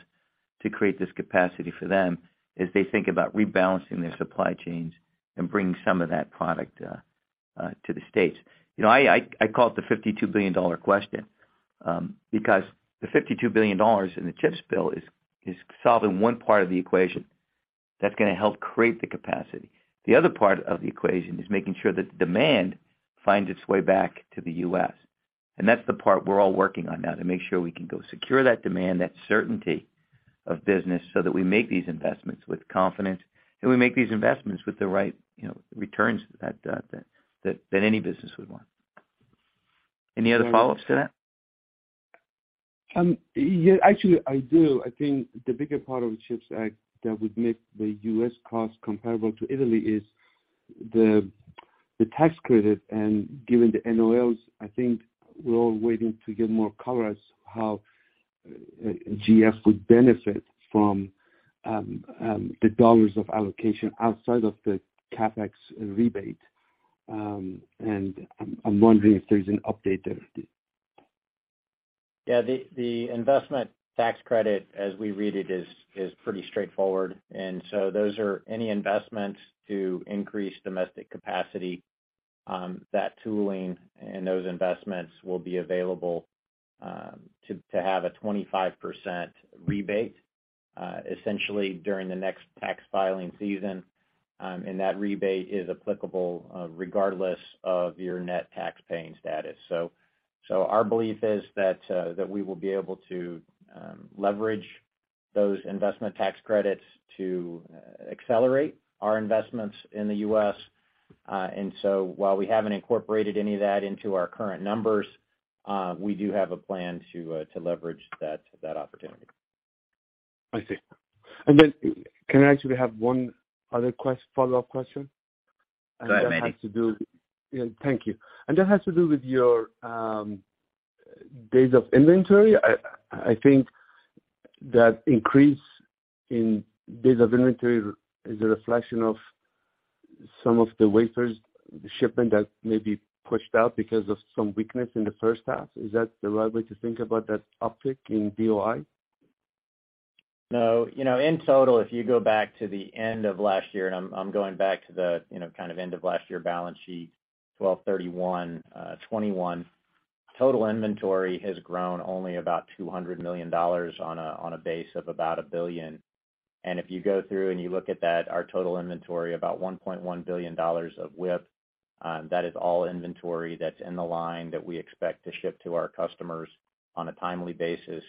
to create this capacity for them as they think about rebalancing their supply chains and bringing some of that product to the States. You know, I call it the $52 billion question, because the $52 billion in the CHIPS bill is solving one part of the equation. That's gonna help create the capacity. The other part of the equation is making sure that the demand finds its way back to the U.S., and that's the part we're all working on now to make sure we can go secure that demand, that certainty of business, so that we make these investments with confidence, and we make these investments with the right, you know, returns that any business would want. Any other follow-ups to that? Yeah, actually, I do. I think the bigger part of the CHIPS Act that would make the U.S. cost comparable to Asia is the tax credit. Given the NOLs, I think we're all waiting to get more color on how GF would benefit from the dollars of allocation outside of the CapEx rebate. I'm wondering if there's an update there. Yeah. The investment tax credit, as we read it, is pretty straightforward. Those are any investments to increase domestic capacity, that tooling and those investments will be available to have a 25% rebate, essentially during the next tax filing season. That rebate is applicable, regardless of your net tax paying status. Our belief is that we will be able to leverage those investment tax credits to accelerate our investments in the U.S. While we haven't incorporated any of that into our current numbers, we do have a plan to leverage that opportunity. I see. Can I actually have one other follow-up question? Go ahead, Mehdi. Yeah, thank you. That has to do with your days of inventory. I think that increase in days of inventory is a reflection of some of the wafer shipments that may be pushed out because of some weakness in the first half. Is that the right way to think about that uptick in DOI? No. You know, in total, if you go back to the end of last year, I'm going back to the end of last year balance sheet, 12/31/2021, total inventory has grown only about $200 million on a base of about $1 billion. If you go through and you look at that, our total inventory, about $1.1 billion of WIP, that is all inventory that's in the line that we expect to ship to our customers on a timely basis.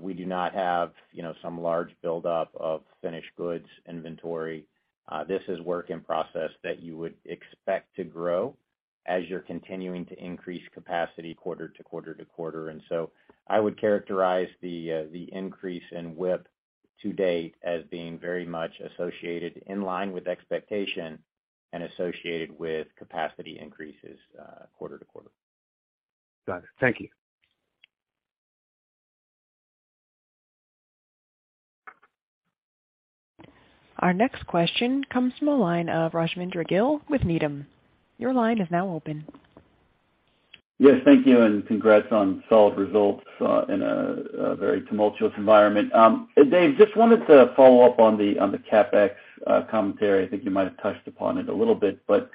We do not have, you know, some large buildup of finished goods inventory. This is work in process that you would expect to grow as you're continuing to increase capacity quarter to quarter to quarter. I would characterize the increase in WIP to date as being very much associated in line with expectation and associated with capacity increases, quarter to quarter. Got it. Thank you. Our next question comes from the line of Raji Gill with Needham. Your line is now open. Yes, thank you, and congrats on solid results in a very tumultuous environment. Dave, just wanted to follow up on the CapEx commentary. I think you might have touched upon it a little bit, but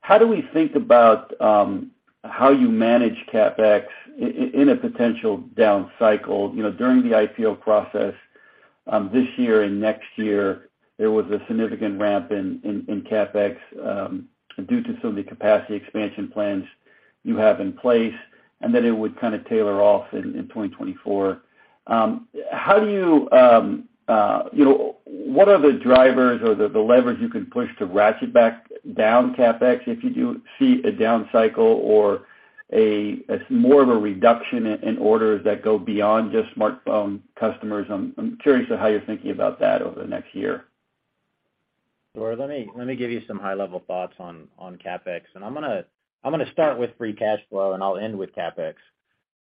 how do we think about how you manage CapEx in a potential down cycle? You know, during the IPO process, this year and next year, there was a significant ramp in CapEx due to some of the capacity expansion plans you have in place, and then it would kind of taper off in 2024. How do you know, what are the drivers or the levers you can push to ratchet back down CapEx if you do see a down cycle or a more of a reduction in orders that go beyond just smartphone customers? I'm curious to how you're thinking about that over the next year. Sure. Let me give you some high-level thoughts on CapEx, and I'm gonna start with free cash flow, and I'll end with CapEx.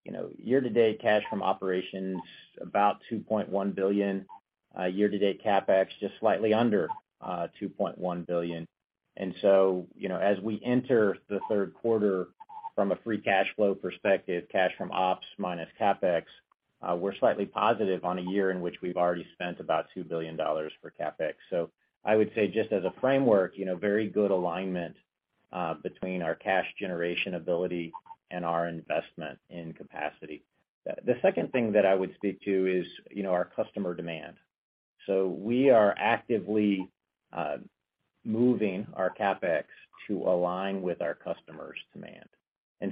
You know, year-to-date cash from operations, about $2.1 billion. Year-to-date CapEx, just slightly under $2.1 billion. You know, as we enter the third quarter from a free cash flow perspective, cash from ops minus CapEx, we're slightly positive on a year in which we've already spent about $2 billion for CapEx. I would say just as a framework, you know, very good alignment between our cash generation ability and our investment in capacity. The second thing that I would speak to is, you know, our customer demand. We are actively moving our CapEx to align with our customers' demand.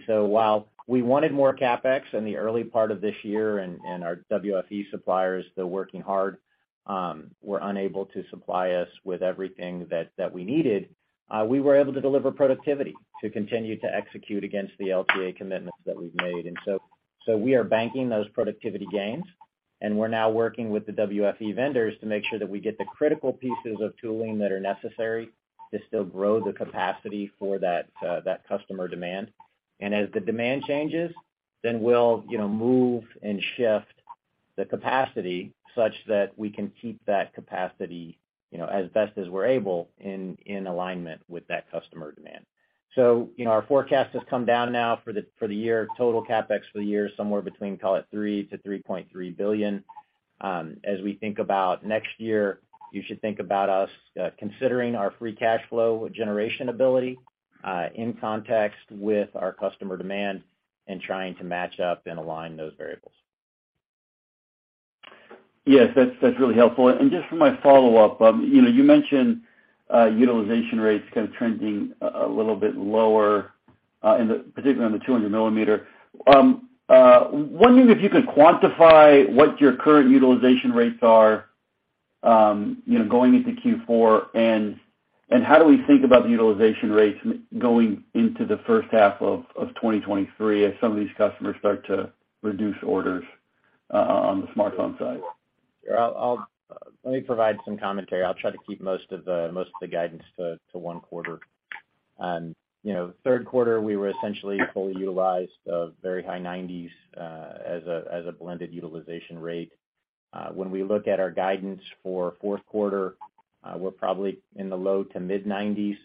While we wanted more CapEx in the early part of this year and our WFE suppliers, though working hard, were unable to supply us with everything that we needed, we were able to deliver productivity to continue to execute against the LTA commitments that we've made. We are banking those productivity gains, and we're now working with the WFE vendors to make sure that we get the critical pieces of tooling that are necessary to still grow the capacity for that customer demand. As the demand changes, then we'll, you know, move and shift the capacity such that we can keep that capacity, you know, as best as we're able in alignment with that customer demand. Our forecast has come down now for the year. Total CapEx for the year is somewhere between, call it $3-$3.3 billion. As we think about next year, you should think about us, considering our free cash flow generation ability, in context with our customer demand and trying to match up and align those variables. Yes, that's really helpful. Just for my follow-up, you know, you mentioned utilization rates kind of trending a little bit lower, particularly on the 200 millimeter. Wondering if you could quantify what your current utilization rates are, you know, going into Q4, and how do we think about the utilization rates going into the first half of 2023 as some of these customers start to reduce orders on the smartphone side? Sure. Let me provide some commentary. I'll try to keep most of the guidance to one quarter. You know, the third quarter, we were essentially fully utilized, very high 90s% as a blended utilization rate. When we look at our guidance for fourth quarter, we're probably in the low to mid-90s%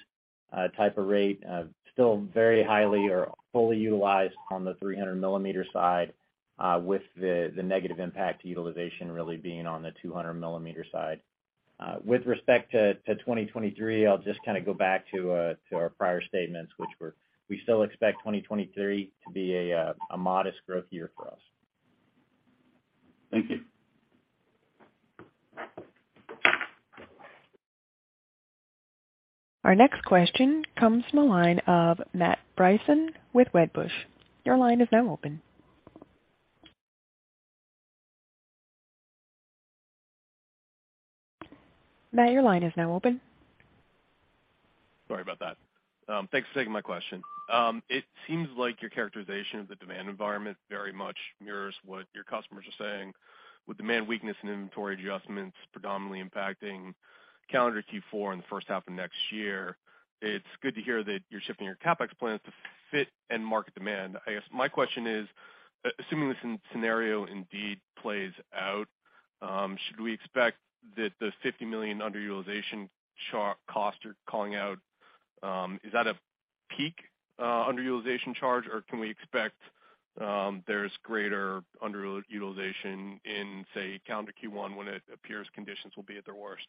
type of rate. Still very highly or fully utilized on the 300 millimeter side, with the negative impact to utilization really being on the 200 millimeter side. With respect to 2023, I'll just kind of go back to our prior statements, which were we still expect 2023 to be a modest growth year for us. Thank you. Our next question comes from the line of Matt Bryson with Wedbush. Your line is now open. Matt, your line is now open. Sorry about that. Thanks for taking my question. It seems like your characterization of the demand environment very much mirrors what your customers are saying, with demand weakness and inventory adjustments predominantly impacting calendar Q4 in the first half of next year. It's good to hear that you're shifting your CapEx plans to fit end market demand. I guess my question is, assuming this scenario indeed plays out, should we expect that the $50 million underutilization cost you're calling out is that a peak underutilization charge, or can we expect there's greater underutilization in, say, calendar Q1 when it appears conditions will be at their worst?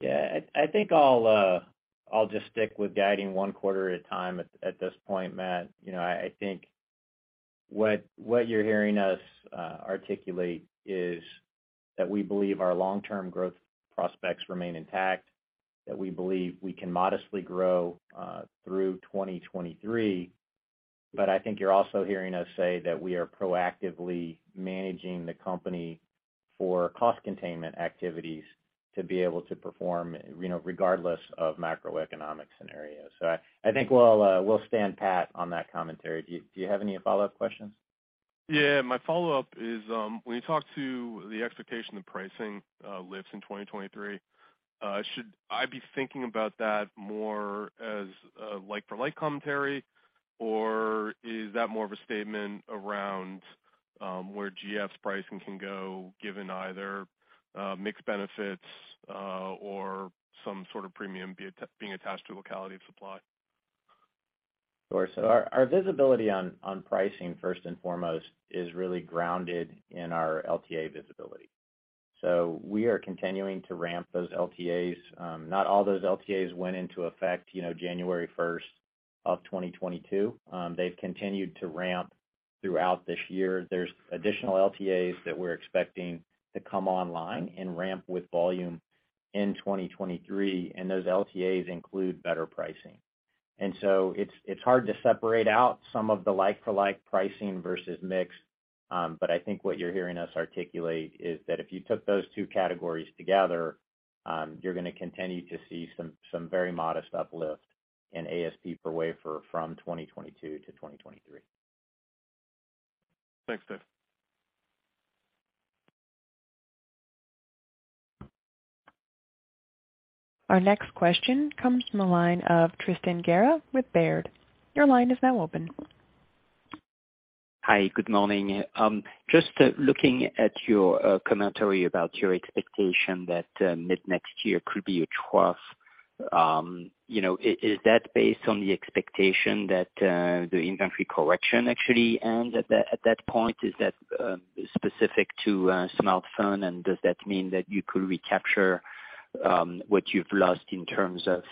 Yeah. I think I'll just stick with guiding one quarter at a time at this point, Matt. You know, I think what you're hearing us articulate is that we believe our long-term growth prospects remain intact, that we believe we can modestly grow through 2023. I think you're also hearing us say that we are proactively managing the company for cost containment activities to be able to perform, you know, regardless of macroeconomic scenarios. I think we'll stand pat on that commentary. Do you have any follow-up questions? My follow-up is, when you talk to the expectation of pricing lifts in 2023, should I be thinking about that more as a like-for-like commentary, or is that more of a statement around, where GF's pricing can go given either, mixed benefits, or some sort of premium being attached to locality of supply? Sure. Our visibility on pricing first and foremost is really grounded in our LTA visibility. We are continuing to ramp those LTAs. Not all those LTAs went into effect, you know, January 1, 2022. They've continued to ramp throughout this year. There's additional LTAs that we're expecting to come online and ramp with volume in 2023, and those LTAs include better pricing. It's hard to separate out some of the like-for-like pricing versus mix, but I think what you're hearing us articulate is that if you took those two categories together, you're gonna continue to see some very modest uplift in ASP per wafer from 2022 to 2023. Thanks, Dave. Our next question comes from the line of Tristan Gerra with Baird. Your line is now open. Hi, good morning. Just looking at your commentary about your expectation that mid-next year could be a trough, you know, is that based on the expectation that the inventory correction actually ends at that point? Is that specific to smartphone? And does that mean that you could recapture what you've lost in terms of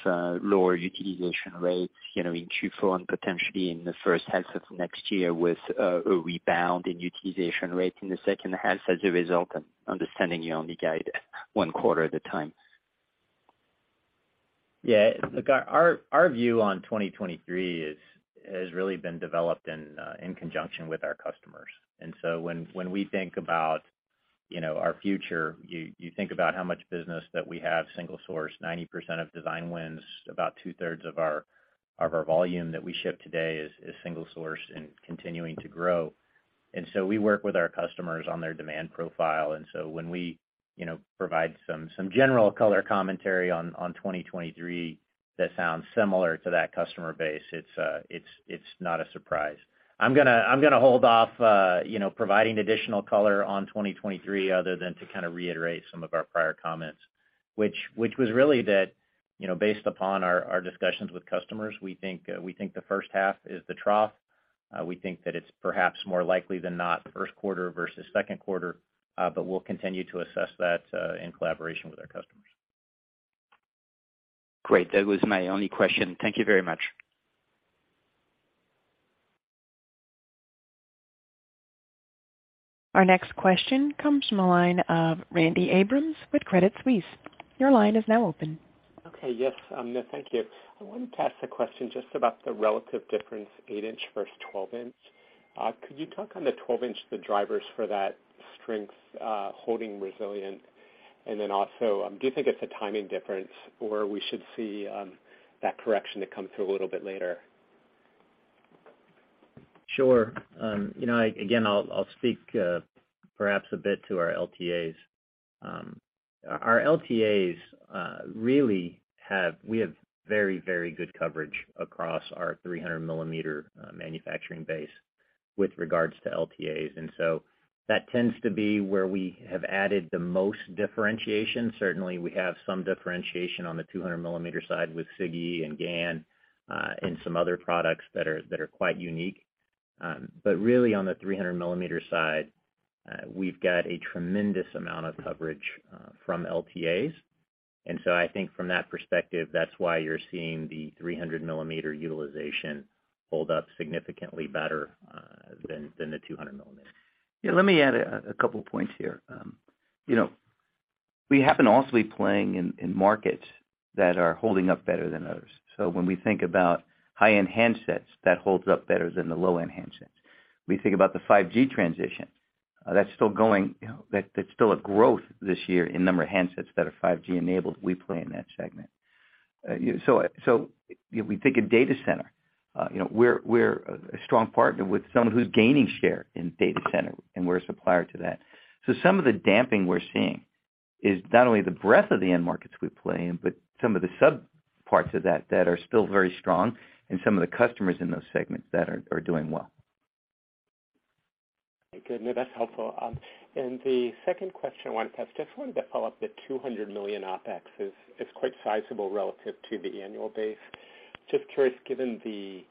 lower utilization rates, you know, in Q4 and potentially in the first half of next year with a rebound in utilization rate in the second half as a result of understanding you only guide one quarter at a time? Yeah. Look, our view on 2023 has really been developed in conjunction with our customers. When we think about, you know, our future, you think about how much business that we have single source, 90% of design wins, about two-thirds of our volume that we ship today is single source and continuing to grow. We work with our customers on their demand profile. When we, you know, provide some general color commentary on 2023 that sounds similar to that customer base, it's not a surprise. I'm gonna hold off, you know, providing additional color on 2023 other than to kind of reiterate some of our prior comments, which was really that, you know, based upon our discussions with customers, we think the first half is the trough. We think that it's perhaps more likely than not first quarter versus second quarter. We'll continue to assess that in collaboration with our customers. Great. That was my only question. Thank you very much. Our next question comes from the line of Randy Abrams with Credit Suisse. Your line is now open. Okay. Yes. Thank you. I wanted to ask a question just about the relative difference 8-inch versus 12-inch. Could you talk on the 12-inch, the drivers for that strength, holding resilient? Also, do you think it's a timing difference, or we should see that correction that comes through a little bit later? Sure. You know, again, I'll speak perhaps a bit to our LTAs. Our LTAs really have very good coverage across our 300 millimeter manufacturing base with regards to LTAs. That tends to be where we have added the most differentiation. Certainly, we have some differentiation on the 200 millimeter side with SiGe and GaN and some other products that are quite unique. Really on the 300 millimeter side, we've got a tremendous amount of coverage from LTAs. I think from that perspective, that's why you're seeing the 300 millimeter utilization hold up significantly better than the 200 millimeter. Yeah, let me add a couple points here. You know, we happen to also be playing in markets that are holding up better than others. When we think about high-end handsets, that holds up better than the low-end handsets. We think about the 5G transition, that's still going. You know, that's still a growth this year in number of handsets that are 5G enabled. We play in that segment. We think of data center, you know, we're a strong partner with someone who's gaining share in data center, and we're a supplier to that. Some of the damping we're seeing is not only the breadth of the end markets we play in, but some of the sub parts of that that are still very strong and some of the customers in those segments that are doing well. Good. No, that's helpful. The second question I wanted to ask, just wanted to follow up the $200 million OpEx, is quite sizable relative to the annual base. Just curious, given the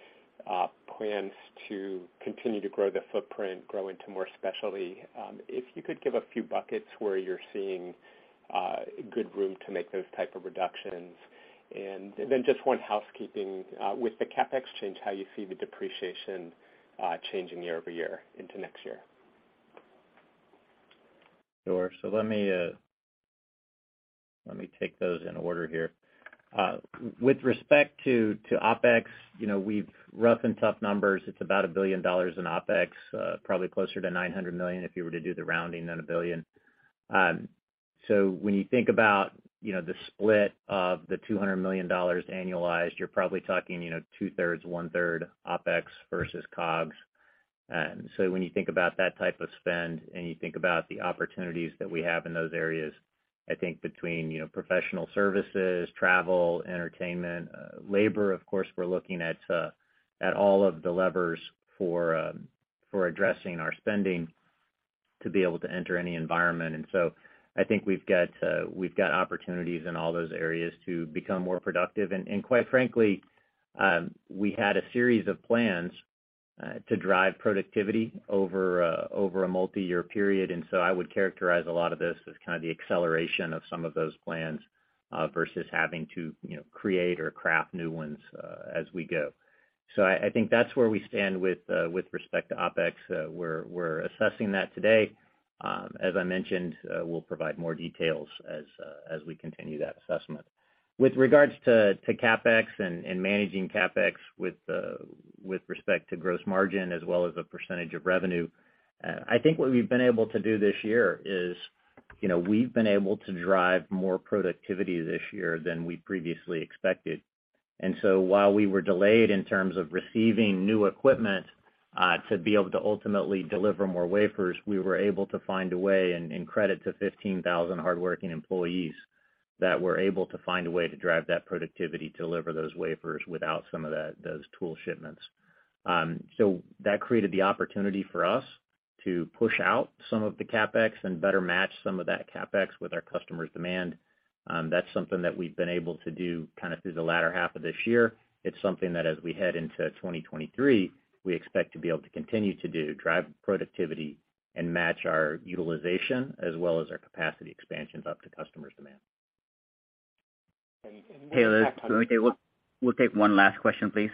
plans to continue to grow the footprint, grow into more specialty, if you could give a few buckets where you're seeing good room to make those type of reductions. Then just one housekeeping, with the CapEx change, how you see the depreciation changing year-over-year into next year. Sure. Let me take those in order here. With respect to OpEx, you know, we've roughed in rough numbers. It's about $1 billion in OpEx, probably closer to $900 million if you were to do the rounding, than a billion. When you think about, you know, the split of the $200 million annualized, you're probably talking, you know, two-thirds, one-third OpEx versus COGS. When you think about that type of spend and you think about the opportunities that we have in those areas, I think between, you know, professional services, travel, entertainment, labor, of course, we're looking at all of the levers for addressing our spending to be able to enter any environment. I think we've got opportunities in all those areas to become more productive. Quite frankly, we had a series of plans to drive productivity over a multi-year period. I would characterize a lot of this as kind of the acceleration of some of those plans versus having to, you know, create or craft new ones as we go. I think that's where we stand with respect to OpEx. We're assessing that today. As I mentioned, we'll provide more details as we continue that assessment. With regards to CapEx and managing CapEx with respect to gross margin as well as a percentage of revenue, I think what we've been able to do this year is, you know, we've been able to drive more productivity this year than we previously expected. While we were delayed in terms of receiving new equipment to be able to ultimately deliver more wafers, we were able to find a way, and credit to 15,000 hardworking employees that we're able to drive that productivity to deliver those wafers without some of those tool shipments. That created the opportunity for us to push out some of the CapEx and better match some of that CapEx with our customers' demand. That's something that we've been able to do kind of through the latter half of this year. It's something that as we head into 2023, we expect to be able to continue to do, drive productivity and match our utilization as well as our capacity expansions up to customers' demand. Hey, Liz, we'll take one last question, please.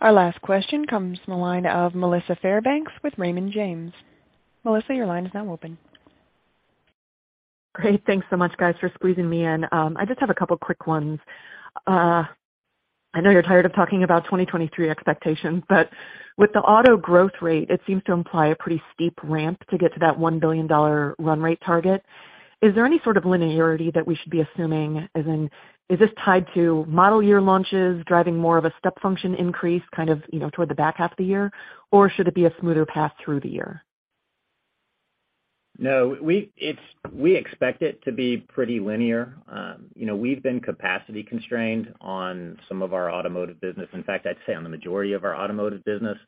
Our last question comes from the line of Melissa Fairbanks with Raymond James. Melissa, your line is now open. Great. Thanks so much, guys, for squeezing me in. I just have a couple quick ones. I know you're tired of talking about 2023 expectations, but with the auto growth rate, it seems to imply a pretty steep ramp to get to that $1 billion run rate target. Is there any sort of linearity that we should be assuming, as in, is this tied to model year launches driving more of a step function increase kind of, you know, toward the back half of the year? Or should it be a smoother path through the year? No. We expect it to be pretty linear. You know, we've been capacity constrained on some of our automotive business. In fact, I'd say on the majority of our automotive business.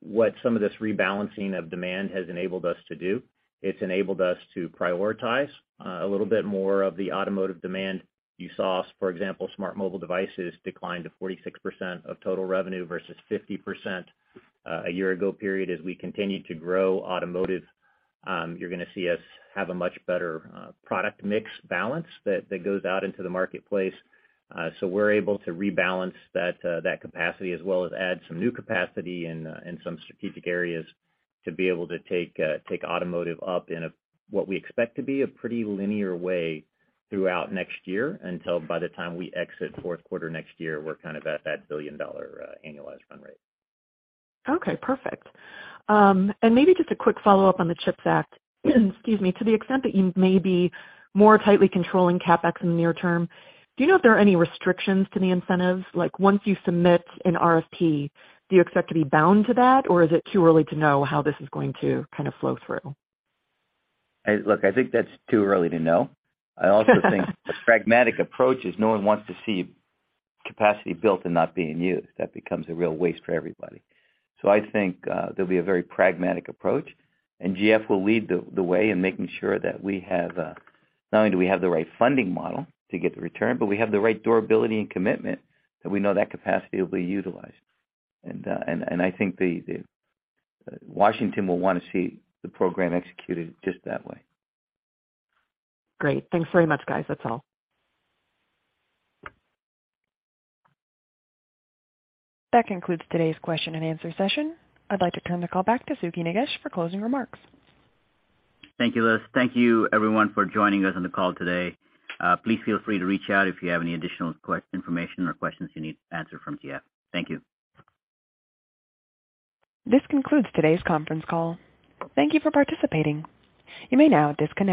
What some of this rebalancing of demand has enabled us to do, it's enabled us to prioritize a little bit more of the automotive demand. You saw us, for example, smart mobile devices declined to 46% of total revenue versus 50% a year-ago period. As we continue to grow automotive, you're gonna see us have a much better product mix balance that goes out into the marketplace. We're able to rebalance that capacity as well as add some new capacity in some strategic areas to be able to take automotive up in what we expect to be a pretty linear way throughout next year, until by the time we exit fourth quarter next year, we're kind of at that $1 billion annualized run rate. Okay. Perfect. Maybe just a quick follow-up on the CHIPS Act. Excuse me. To the extent that you may be more tightly controlling CapEx in the near term, do you know if there are any restrictions to the incentives? Like, once you submit an RFP, do you expect to be bound to that, or is it too early to know how this is going to kind of flow through? Look, I think that's too early to know. I also think the pragmatic approach is no one wants to see capacity built and not being used. That becomes a real waste for everybody. I think there'll be a very pragmatic approach, and GF will lead the way in making sure that we have not only do we have the right funding model to get the return, but we have the right durability and commitment that we know that capacity will be utilized. I think the Washington will wanna see the program executed just that way. Great. Thanks very much, guys. That's all. That concludes today's question and answer session. I'd like to turn the call back to Sukhi Nagesh for closing remarks. Thank you, Liz. Thank you everyone for joining us on the call today. Please feel free to reach out if you have any additional information or questions you need answered from GF. Thank you. This concludes today's conference call. Thank you for participating. You may now disconnect.